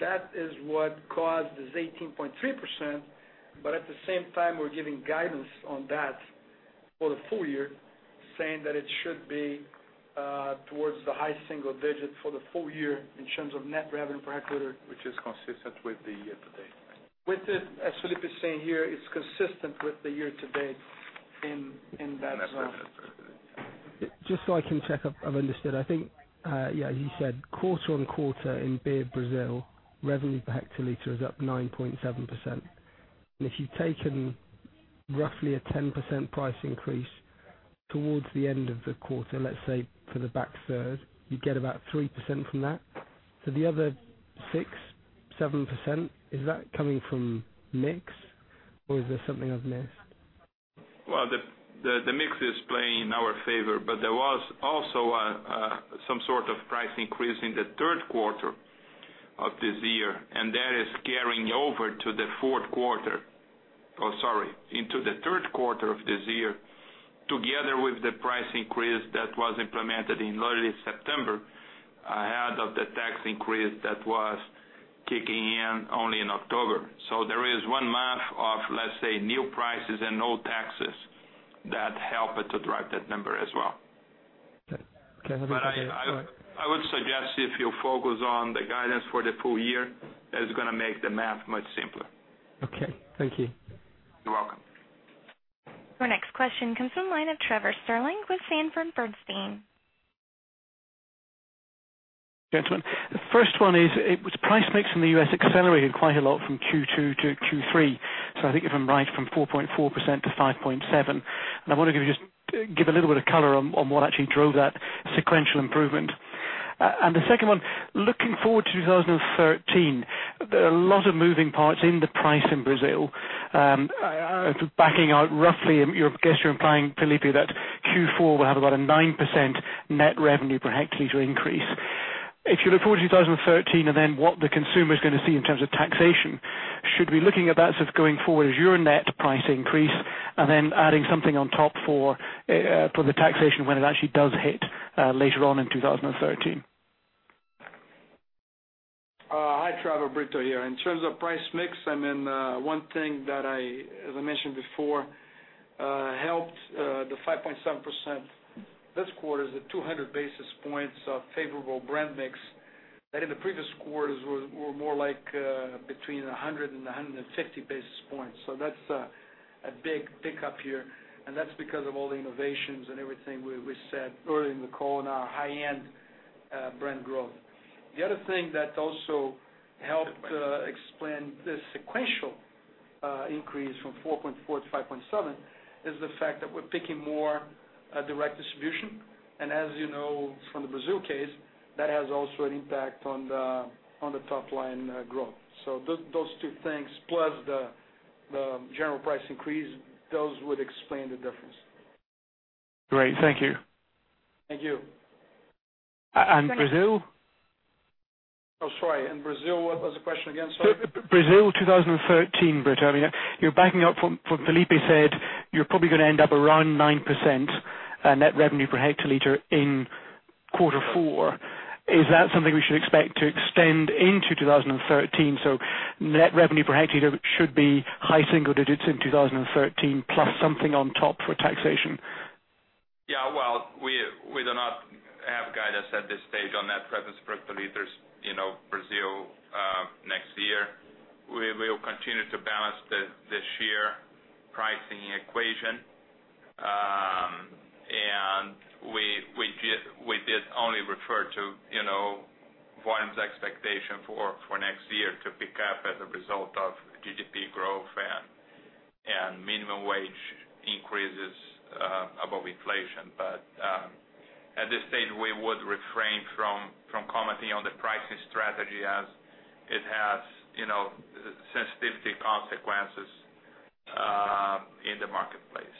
That is what caused this 18.3%, at the same time, we're giving guidance on that for the full year, saying that it should be towards the high single digits for the full year in terms of net revenue per hectoliter. Which is consistent with the year-to-date. With it, as Felipe is saying here, it's consistent with the year-to-date in that. Just so I can check I've understood. I think you said quarter-on-quarter in Beer Brazil, revenue per hectoliter is up 9.7%. If you've taken roughly a 10% price increase towards the end of the quarter, let's say for the back third, you get about 3% from that. The other 6%, 7%, is that coming from mix, or is there something I've missed? Well, the mix is playing in our favor, there was also some sort of price increase in the third quarter of this year, and that is carrying over to the fourth quarter. Oh, sorry, into the third quarter of this year, together with the price increase that was implemented in early September, ahead of the tax increase that was kicking in only in October. There is one month of, let's say, new prices and old taxes that helped to drive that number as well. Okay. Let me try to. I would suggest if you focus on the guidance for the full year, that is going to make the math much simpler. Okay. Thank you. You're welcome. Our next question comes from the line of Trevor Stirling with Sanford Bernstein. Gentlemen. I think if I'm right, from 4.4% to 5.7%. I wonder if you could just give a little bit of color on what actually drove that sequential improvement. The first one is, price mix in the U.S. accelerated quite a lot from Q2 to Q3. The second one, looking forward to 2013, there are a lot of moving parts in the price in Brazil. Backing out roughly, I guess you're implying, Felipe, that Q4 will have about a 9% net revenue per hectoliter increase. If you look forward to 2013 and then what the consumer's going to see in terms of taxation, should we looking at that sort of going forward as your net price increase and then adding something on top for the taxation when it actually does hit later on in 2013? Hi, Trevor, Brito here. In terms of price mix, one thing that as I mentioned before what helped the 5.7% this quarter is the 200 basis points of favorable brand mix that in the previous quarters were more like between 100 and 150 basis points. That's a big pickup here, and that's because of all the innovations and everything we said earlier in the call and our high-end brand growth. The other thing that also helped explain this sequential increase from 4.4% to 5.7% is the fact that we're picking more direct distribution, and as you know from the Brazil case, that has also an impact on the top-line growth. Those two things, plus the general price increase, those would explain the difference. Great. Thank you. Thank you. Brazil? Sorry. Brazil, what was the question again? Sorry. Brazil 2013, Brito. You're backing up from, Felipe said you're probably going to end up around 9% net revenue per hectoliter in quarter four. Is that something we should expect to extend into 2013? Net revenue per hectoliter should be high single digits in 2013, plus something on top for taxation. Well, we do not have guidance at this stage on net revenue per hectoliter Brazil next year. We will continue to balance the sheer pricing equation. We did only refer to volume's expectation for next year to pick up as a result of GDP growth and minimum wage increases above inflation. At this stage, we would refrain from commenting on the pricing strategy as it has sensitivity consequences in the marketplace.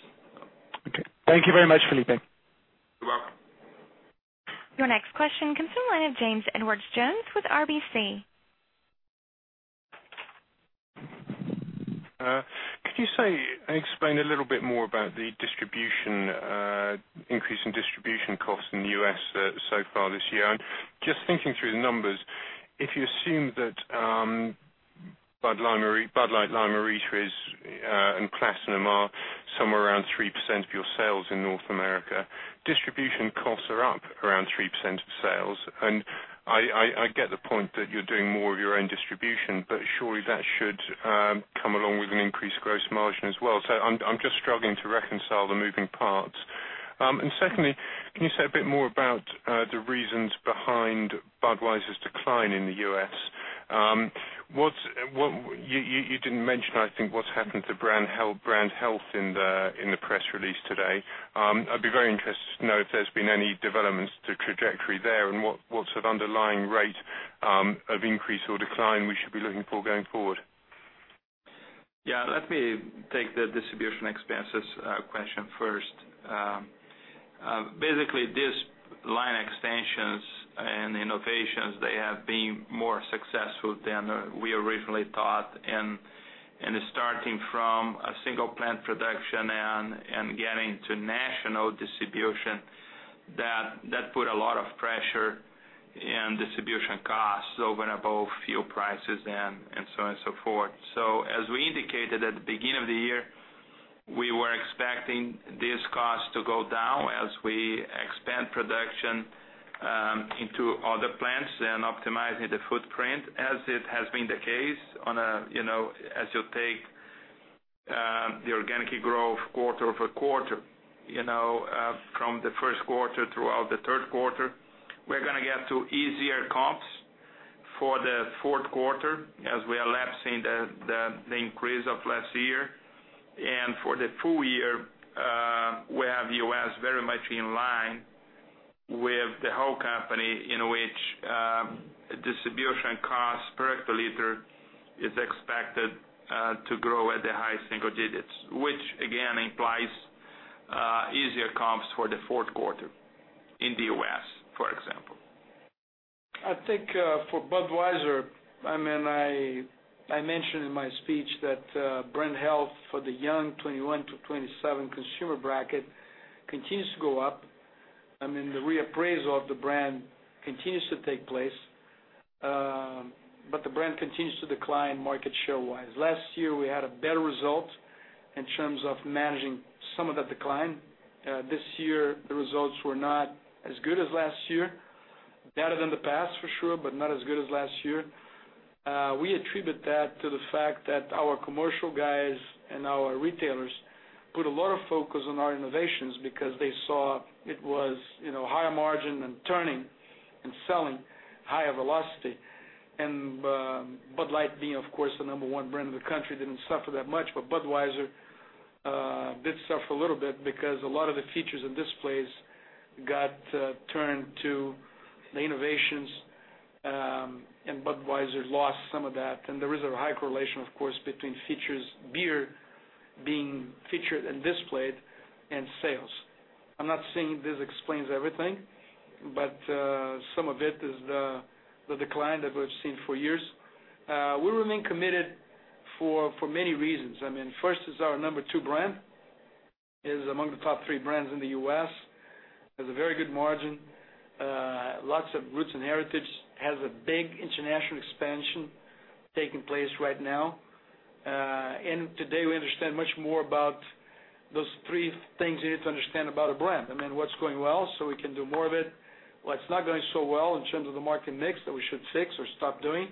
Okay. Thank you very much, Felipe. You're welcome. Your next question comes from the line of James Edwardes Jones with RBC. Could you explain a little bit more about the increase in distribution costs in the U.S. so far this year. Just thinking through the numbers, if you assume that Bud Light Lime-A-Rita and Platinum are somewhere around 3% of your sales in North America, distribution costs are up around 3% of sales. I get the point that you're doing more of your own distribution, but surely that should come along with an increased gross margin as well. I'm just struggling to reconcile the moving parts. Secondly, can you say a bit more about the reasons behind Budweiser's decline in the U.S.? You didn't mention, I think, what's happened to brand health in the press release today. I'd be very interested to know if there's been any developments to trajectory there and what sort of underlying rate of increase or decline we should be looking for going forward. Yeah. Let me take the distribution expenses question first. Basically, these line extensions and innovations, they have been more successful than we originally thought. It's starting from a single plant production and getting to national distribution. That put a lot of pressure in distribution costs, went up both fuel prices and so on and so forth. As we indicated at the beginning of the year, we were expecting these costs to go down as we expand production into other plants and optimizing the footprint as it has been the case as you take the organic growth quarter-over-quarter from the first quarter throughout the third quarter. We're going to get to easier comps for the fourth quarter as we are lapsing the increase of last year. For the full year, we have U.S. very much in line with the whole company, in which distribution cost per hectoliter is expected to grow at the high single digits, which again, implies easier comps for the fourth quarter in the U.S., for example. I think for Budweiser, I mentioned in my speech that brand health for the young 21 to 27 consumer bracket continues to go up, the reappraisal of the brand continues to take place. The brand continues to decline market share-wise. Last year, we had a better result in terms of managing some of that decline. This year, the results were not as good as last year. Better than the past for sure, but not as good as last year. We attribute that to the fact that our commercial guys and our retailers put a lot of focus on our innovations because they saw it was higher margin and turning and selling higher velocity. Bud Light being, of course, the number 1 brand in the country, didn't suffer that much. Budweiser did suffer a little bit because a lot of the features and displays got turned to the innovations, Budweiser lost some of that. There is a high correlation, of course, between beer being featured and displayed, and sales. I'm not saying this explains everything, but some of it is the decline that we've seen for years. We remain committed for many reasons. First, it's our number 2 brand. It is among the top 3 brands in the U.S. Has a very good margin, lots of roots and heritage, has a big international expansion taking place right now. Today we understand much more about those three things you need to understand about a brand. What's going well, so we can do more of it, what's not going so well in terms of the market mix that we should fix or stop doing,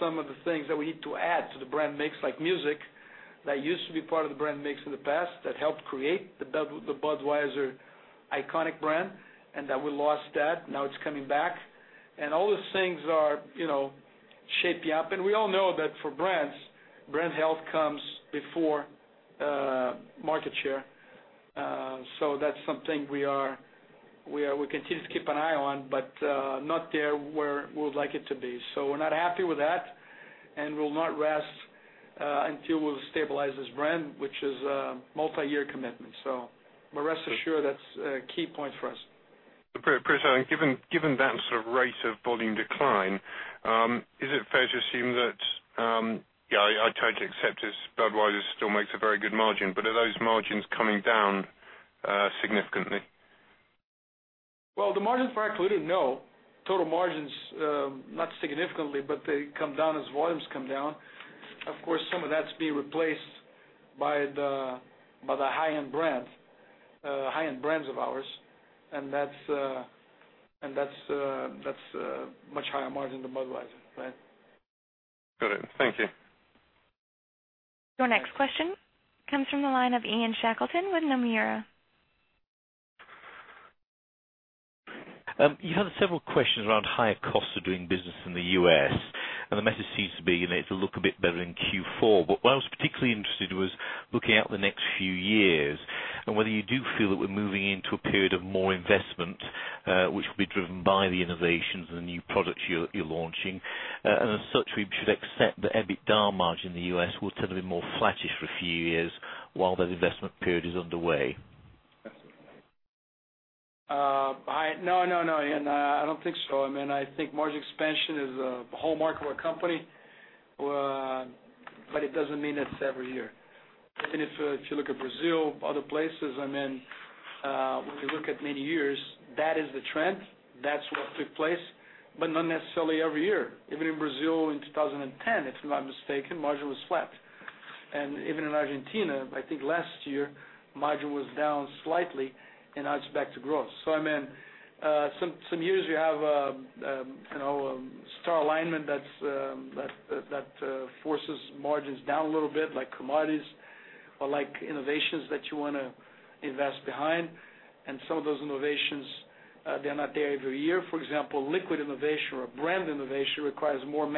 some of the things that we need to add to the brand mix, like music, that used to be part of the brand mix in the past that helped create the Budweiser iconic brand, that we lost that. Now it's coming back. All those things are shaping up. We all know that for brands, brand health comes before market share. That's something we continue to keep an eye on, but not there where we would like it to be. We're not happy with that, and we'll not rest until we'll stabilize this brand, which is a multi-year commitment. Rest assured, that's a key point for us. Brito, given that sort of rate of volume decline, is it fair to assume that, I try to accept this, Budweiser still makes a very good margin, but are those margins coming down significantly? The margin practically, no. Total margins, not significantly, but they come down as volumes come down. Of course, some of that's being replaced by the high-end brands of ours, and that's a much higher margin than Budweiser brand. Got it. Thank you. Your next question comes from the line of Ian Shackleton with Nomura. You had several questions around higher costs of doing business in the U.S., the message seems to be it'll look a bit better in Q4. What I was particularly interested was looking out the next few years and whether you do feel that we're moving into a period of more investment, which will be driven by the innovations and the new products you're launching. As such, we should accept that EBITDA margin in the U.S. will tend to be more flattish for a few years while that investment period is underway. No, Ian, I don't think so. I think margin expansion is the whole market of our company. It doesn't mean it's every year. Even if you look at Brazil, other places, if you look at many years, that is the trend. That's what took place, but not necessarily every year. Even in Brazil in 2010, if I'm not mistaken, margin was flat. Even in Argentina, I think last year, margin was down slightly, and now it's back to growth. Some years you have a star alignment that forces margins down a little bit, like commodities or like innovations that you want to invest behind. Some of those innovations, they're not there every year. For example, liquid innovation or brand innovation requires more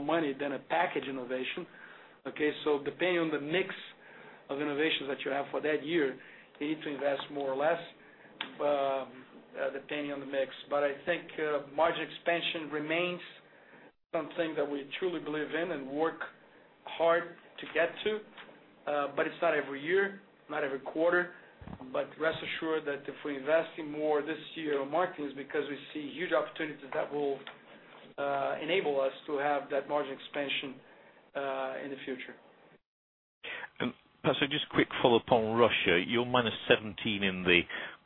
money than a package innovation, okay. Depending on the mix of innovations that you have for that year, you need to invest more or less, depending on the mix. I think margin expansion remains something that we truly believe in and work hard to get to. It's not every year, not every quarter. Rest assured that if we're investing more this year on marketing, it's because we see huge opportunities that will enable us to have that margin expansion in the future. Pedro, just a quick follow-up on Russia. You're -17% in the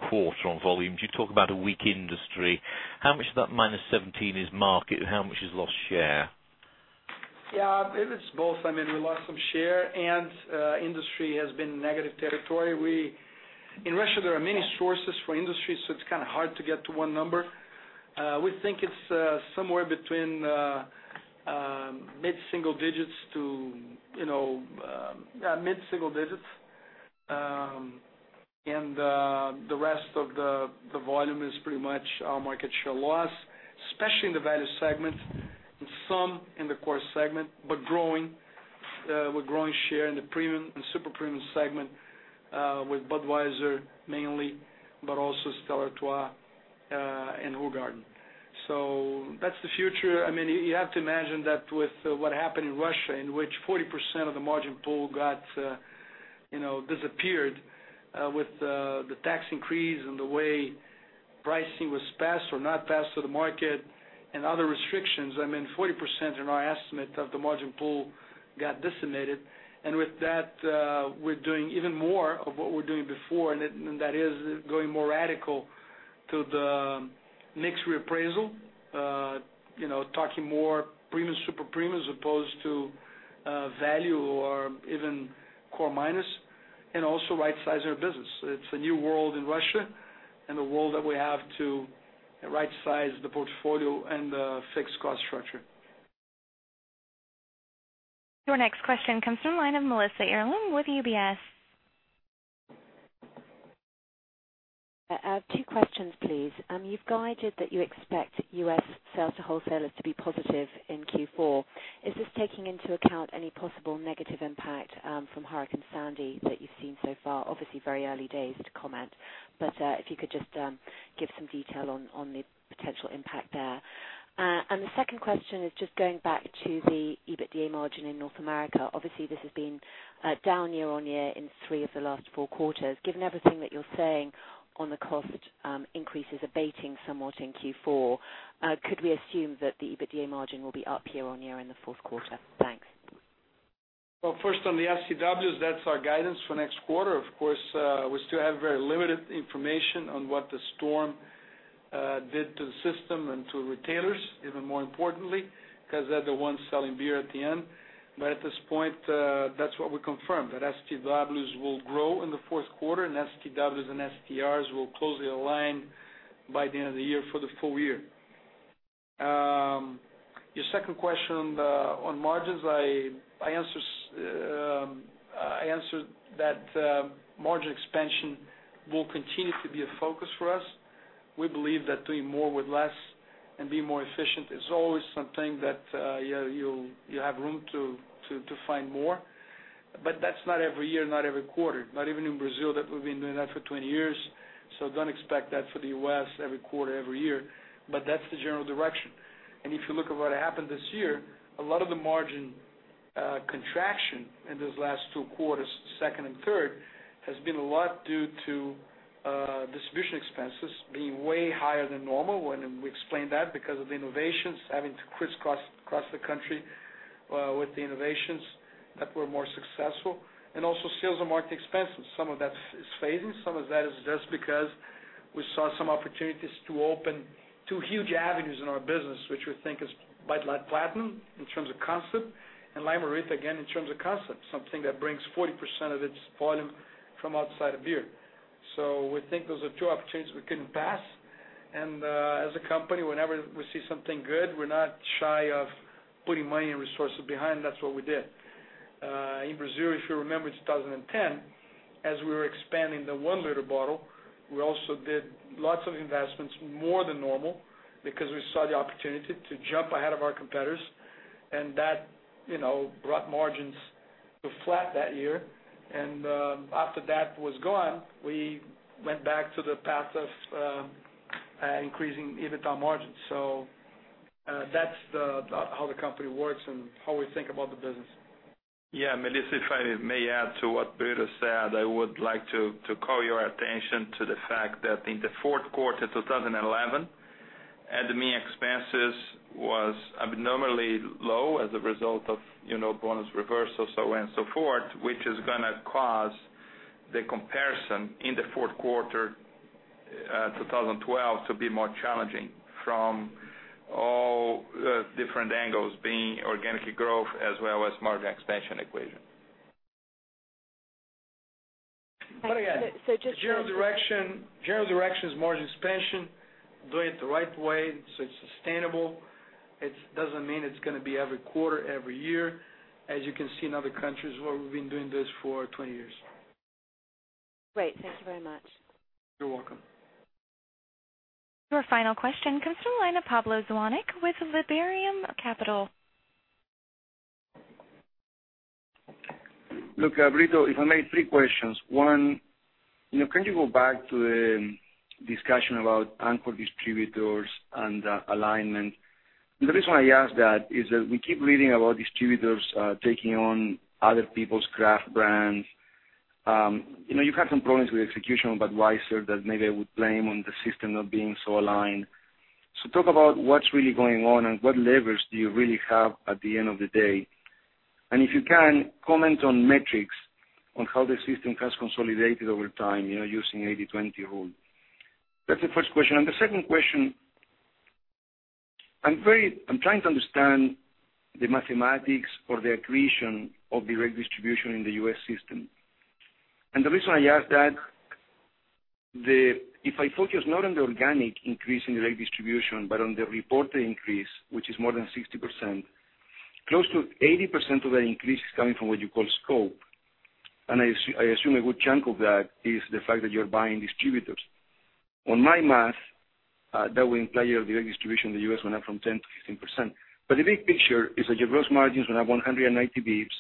quarter on volumes. You talk about a weak industry. How much of that -17% is market? How much is lost share? Yeah, it's both. We lost some share and industry has been negative territory. In Russia, there are many sources for industry, so it's kind of hard to get to one number. We think it's somewhere between mid-single digits. The rest of the volume is pretty much our market share loss, especially in the value segment and some in the core segment, but growing. We're growing share in the premium and super premium segment, with Budweiser mainly, but also Stella Artois and Hoegaarden. That's the future. You have to imagine that with what happened in Russia, in which 40% of the margin pool disappeared with the tax increase and the way pricing was passed or not passed to the market and other restrictions, 40% in our estimate of the margin pool got decimated. With that, we're doing even more of what we're doing before, and that is going more radical to the mix reappraisal, talking more premium, super premium, as opposed to value or even core minus, and also right-sizing our business. It's a new world in Russia, and a world that we have to right-size the portfolio and the fixed cost structure. Your next question comes from the line of Melissa Earlam with UBS. I have two questions, please. You've guided that you expect U.S. sales to wholesalers to be positive in Q4. Is this taking into account any possible negative impact from Hurricane Sandy that you've seen so far? Obviously, very early days to comment, but if you could just give some detail on the potential impact there. The second question is just going back to the EBITDA margin in North America. Obviously, this has been down year-over-year in three of the last four quarters. Given everything that you're saying on the cost increases abating somewhat in Q4, could we assume that the EBITDA margin will be up year-over-year in the fourth quarter? Thanks. First on the STWs, that's our guidance for next quarter. Of course, we still have very limited information on what the storm did to the system and to retailers, even more importantly, because they're the ones selling beer at the end. At this point, that's what we confirmed, that STWs will grow in the fourth quarter, and STWs and STRs will closely align by the end of the year for the full year. Your second question on margins, I answered that margin expansion will continue to be a focus for us. We believe that doing more with less and being more efficient is always something that you have room to find more. That's not every year, not every quarter, not even in Brazil that we've been doing that for 20 years. Do not expect that for the U.S. every quarter, every year. That's the general direction. If you look at what happened this year, a lot of the margin contraction in those last two quarters, second and third, has been a lot due to distribution expenses being way higher than normal. We explained that because of the innovations having to crisscross across the country with the innovations that were more successful, also sales and marketing expenses. Some of that is phasing, some of that is just because we saw some opportunities to open two huge avenues in our business, which we think is Bud Light Platinum in terms of concept, and Lime-A-Rita again in terms of concept, something that brings 40% of its volume from outside of beer. We think those are two opportunities we couldn't pass. As a company, whenever we see something good, we're not shy of putting money and resources behind, that's what we did. In Brazil, if you remember 2010, as we were expanding the one-liter bottle, we also did lots of investments more than normal because we saw the opportunity to jump ahead of our competitors. That brought margins to flat that year. After that was gone, we went back to the path of increasing EBITDA margins. That's how the company works and how we think about the business. Melissa, if I may add to what Brito said, I would like to call your attention to the fact that in the fourth quarter 2011, admin expenses was abnormally low as a result of bonus reversal, so on and so forth, which is going to cause the comparison in the fourth quarter 2012 to be more challenging from all different angles, being organic growth as well as margin expansion equation. The general direction is margin expansion, doing it the right way so it's sustainable. It doesn't mean it's going to be every quarter, every year, as you can see in other countries where we've been doing this for 20 years. Great. Thank you very much. You're welcome. Your final question comes from the line of Pablo Zuanic with Liberum Capital. Look, Carlos Brito, if I may, three questions. One, can you go back to the discussion about anchor distributors and alignment? The reason why I ask that is that we keep reading about distributors taking on other people's craft brands. You've had some problems with execution about Budweiser that maybe I would blame on the system not being so aligned. Talk about what's really going on and what levers do you really have at the end of the day. If you can, comment on metrics on how the system has consolidated over time using 80/20 rule. That's the first question. The second question, I'm trying to understand the mathematics or the accretion of direct distribution in the U.S. system. The reason I ask that, if I focus not on the organic increase in direct distribution, but on the reported increase, which is more than 60%, close to 80% of that increase is coming from what you call scope. I assume a good chunk of that is the fact that you're buying distributors. On my math, that will imply your direct distribution in the U.S. went up from 10% to 15%. But the big picture is that your gross margins went up 190 basis points.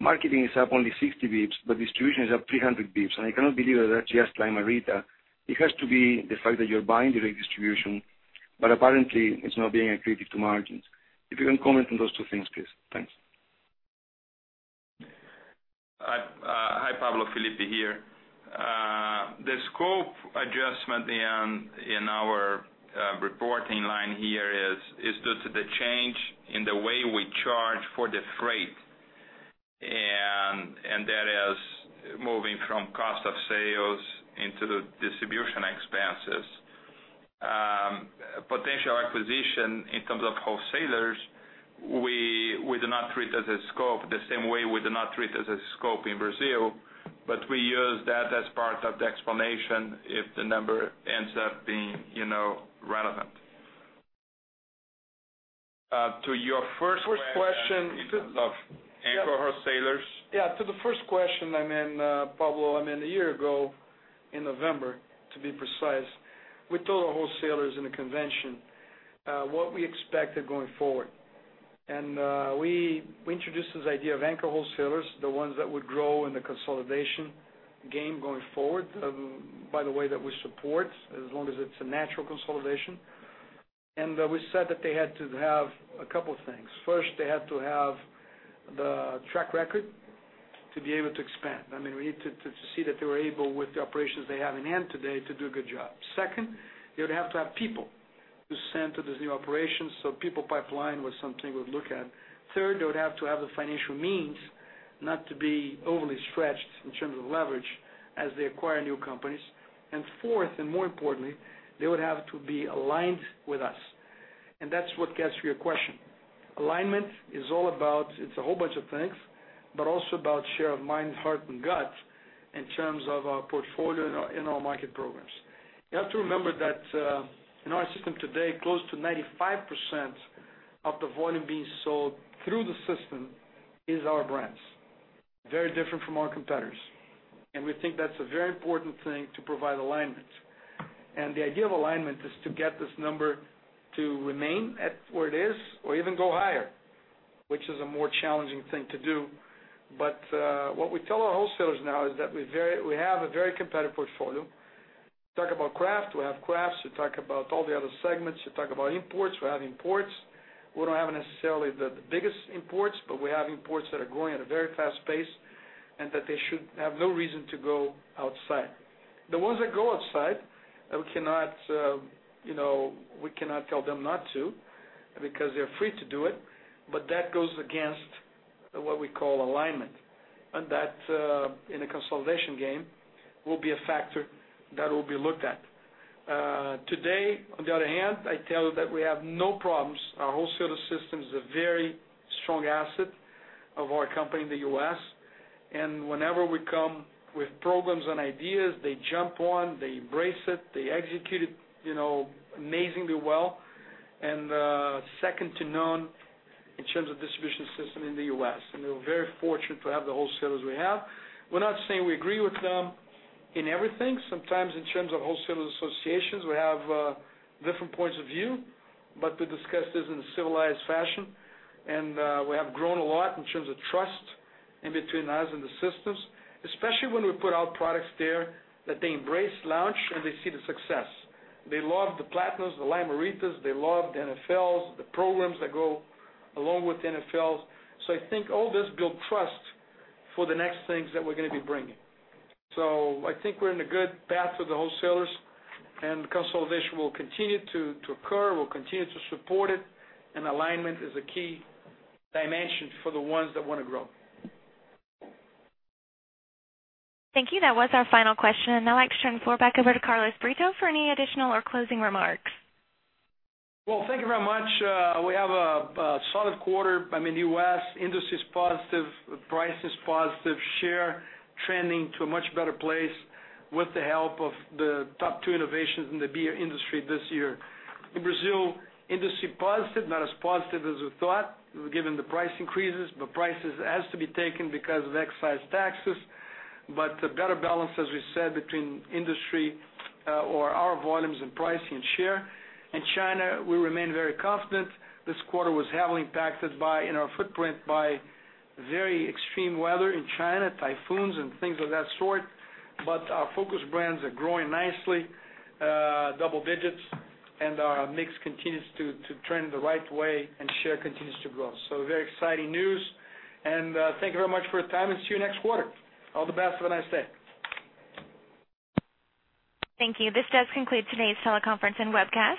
Marketing is up only 60 basis points, but distribution is up 300 basis points. I cannot believe that that's just Lime-A-Rita. It has to be the fact that you're buying direct distribution, but apparently, it's not being accretive to margins. If you can comment on those two things, please. Thanks. Hi, Pablo. Felipe here. The scope adjustment in our reporting line here is due to the change in the way we charge for the freight, and that is moving from cost of sales into the distribution expenses. Potential acquisition in terms of wholesalers, we do not treat as a scope, the same way we do not treat as a scope in Brazil, but we use that as part of the explanation if the number ends up being relevant. To your first question in terms of anchor wholesalers. To the first question, Pablo, a year ago in November, to be precise, we told our wholesalers in a convention what we expected going forward. We introduced this idea of anchor wholesalers, the ones that would grow in the consolidation game going forward, by the way, that we support, as long as it's a natural consolidation. We said that they had to have a couple of things. First, they had to have the track record to be able to expand. We need to see that they were able, with the operations they have in hand today, to do a good job. Second, they would have to have people to send to these new operations, so people pipeline was something we'd look at. Third, they would have to have the financial means not to be overly stretched in terms of leverage as they acquire new companies. Fourth, and more importantly, they would have to be aligned with us. That's what gets to your question. Alignment is all about, it's a whole bunch of things, but also about share of mind, heart, and gut in terms of our portfolio in our market programs. You have to remember that in our system today, close to 95% of the volume being sold through the system is our brands. Very different from our competitors. We think that's a very important thing to provide alignment. The idea of alignment is to get this number to remain at where it is or even go higher, which is a more challenging thing to do. But what we tell our wholesalers now is that we have a very competitive portfolio. Talk about craft, we have crafts. We talk about all the other segments. We talk about imports, we have imports. We don't have necessarily the biggest imports, but we have imports that are growing at a very fast pace, and that they should have no reason to go outside. The ones that go outside, we cannot tell them not to, because they're free to do it. That, in a consolidation game, will be a factor that will be looked at. Today, on the other hand, I tell you that we have no problems. Our wholesaler system is a very strong asset of our company in the U.S., and whenever we come with programs and ideas, they jump on, they embrace it, they execute it amazingly well, and second to none in terms of distribution system in the U.S. We're very fortunate to have the wholesalers we have. We're not saying we agree with them in everything. Sometimes in terms of wholesalers associations, we have different points of view, but we discuss this in a civilized fashion. We have grown a lot in terms of trust in between us and the systems, especially when we put out products there that they embrace, launch, and they see the success. They love the Platinums, the Lime-A-Ritas. They love the NFLs, the programs that go along with the NFLs. I think all this build trust for the next things that we're going to be bringing. I think we're in a good path with the wholesalers, and consolidation will continue to occur. We'll continue to support it, and alignment is a key dimension for the ones that want to grow. Thank you. That was our final question. I'd now like to turn the floor back over to Carlos Brito for any additional or closing remarks. Thank you very much. We have a solid quarter. In the U.S., industry's positive, price is positive, share trending to a much better place with the help of the top two innovations in the beer industry this year. In Brazil, industry positive, not as positive as we thought given the price increases, but prices has to be taken because of excise taxes. A better balance, as we said, between industry or our volumes in pricing and share. In China, we remain very confident. This quarter was heavily impacted by, in our footprint, by very extreme weather in China, typhoons and things of that sort. Our focus brands are growing nicely, double digits, and our mix continues to trend the right way, and share continues to grow. Very exciting news. Thank you very much for your time, and see you next quarter. All the best. Have a nice day. Thank you. This does conclude today's teleconference and webcast.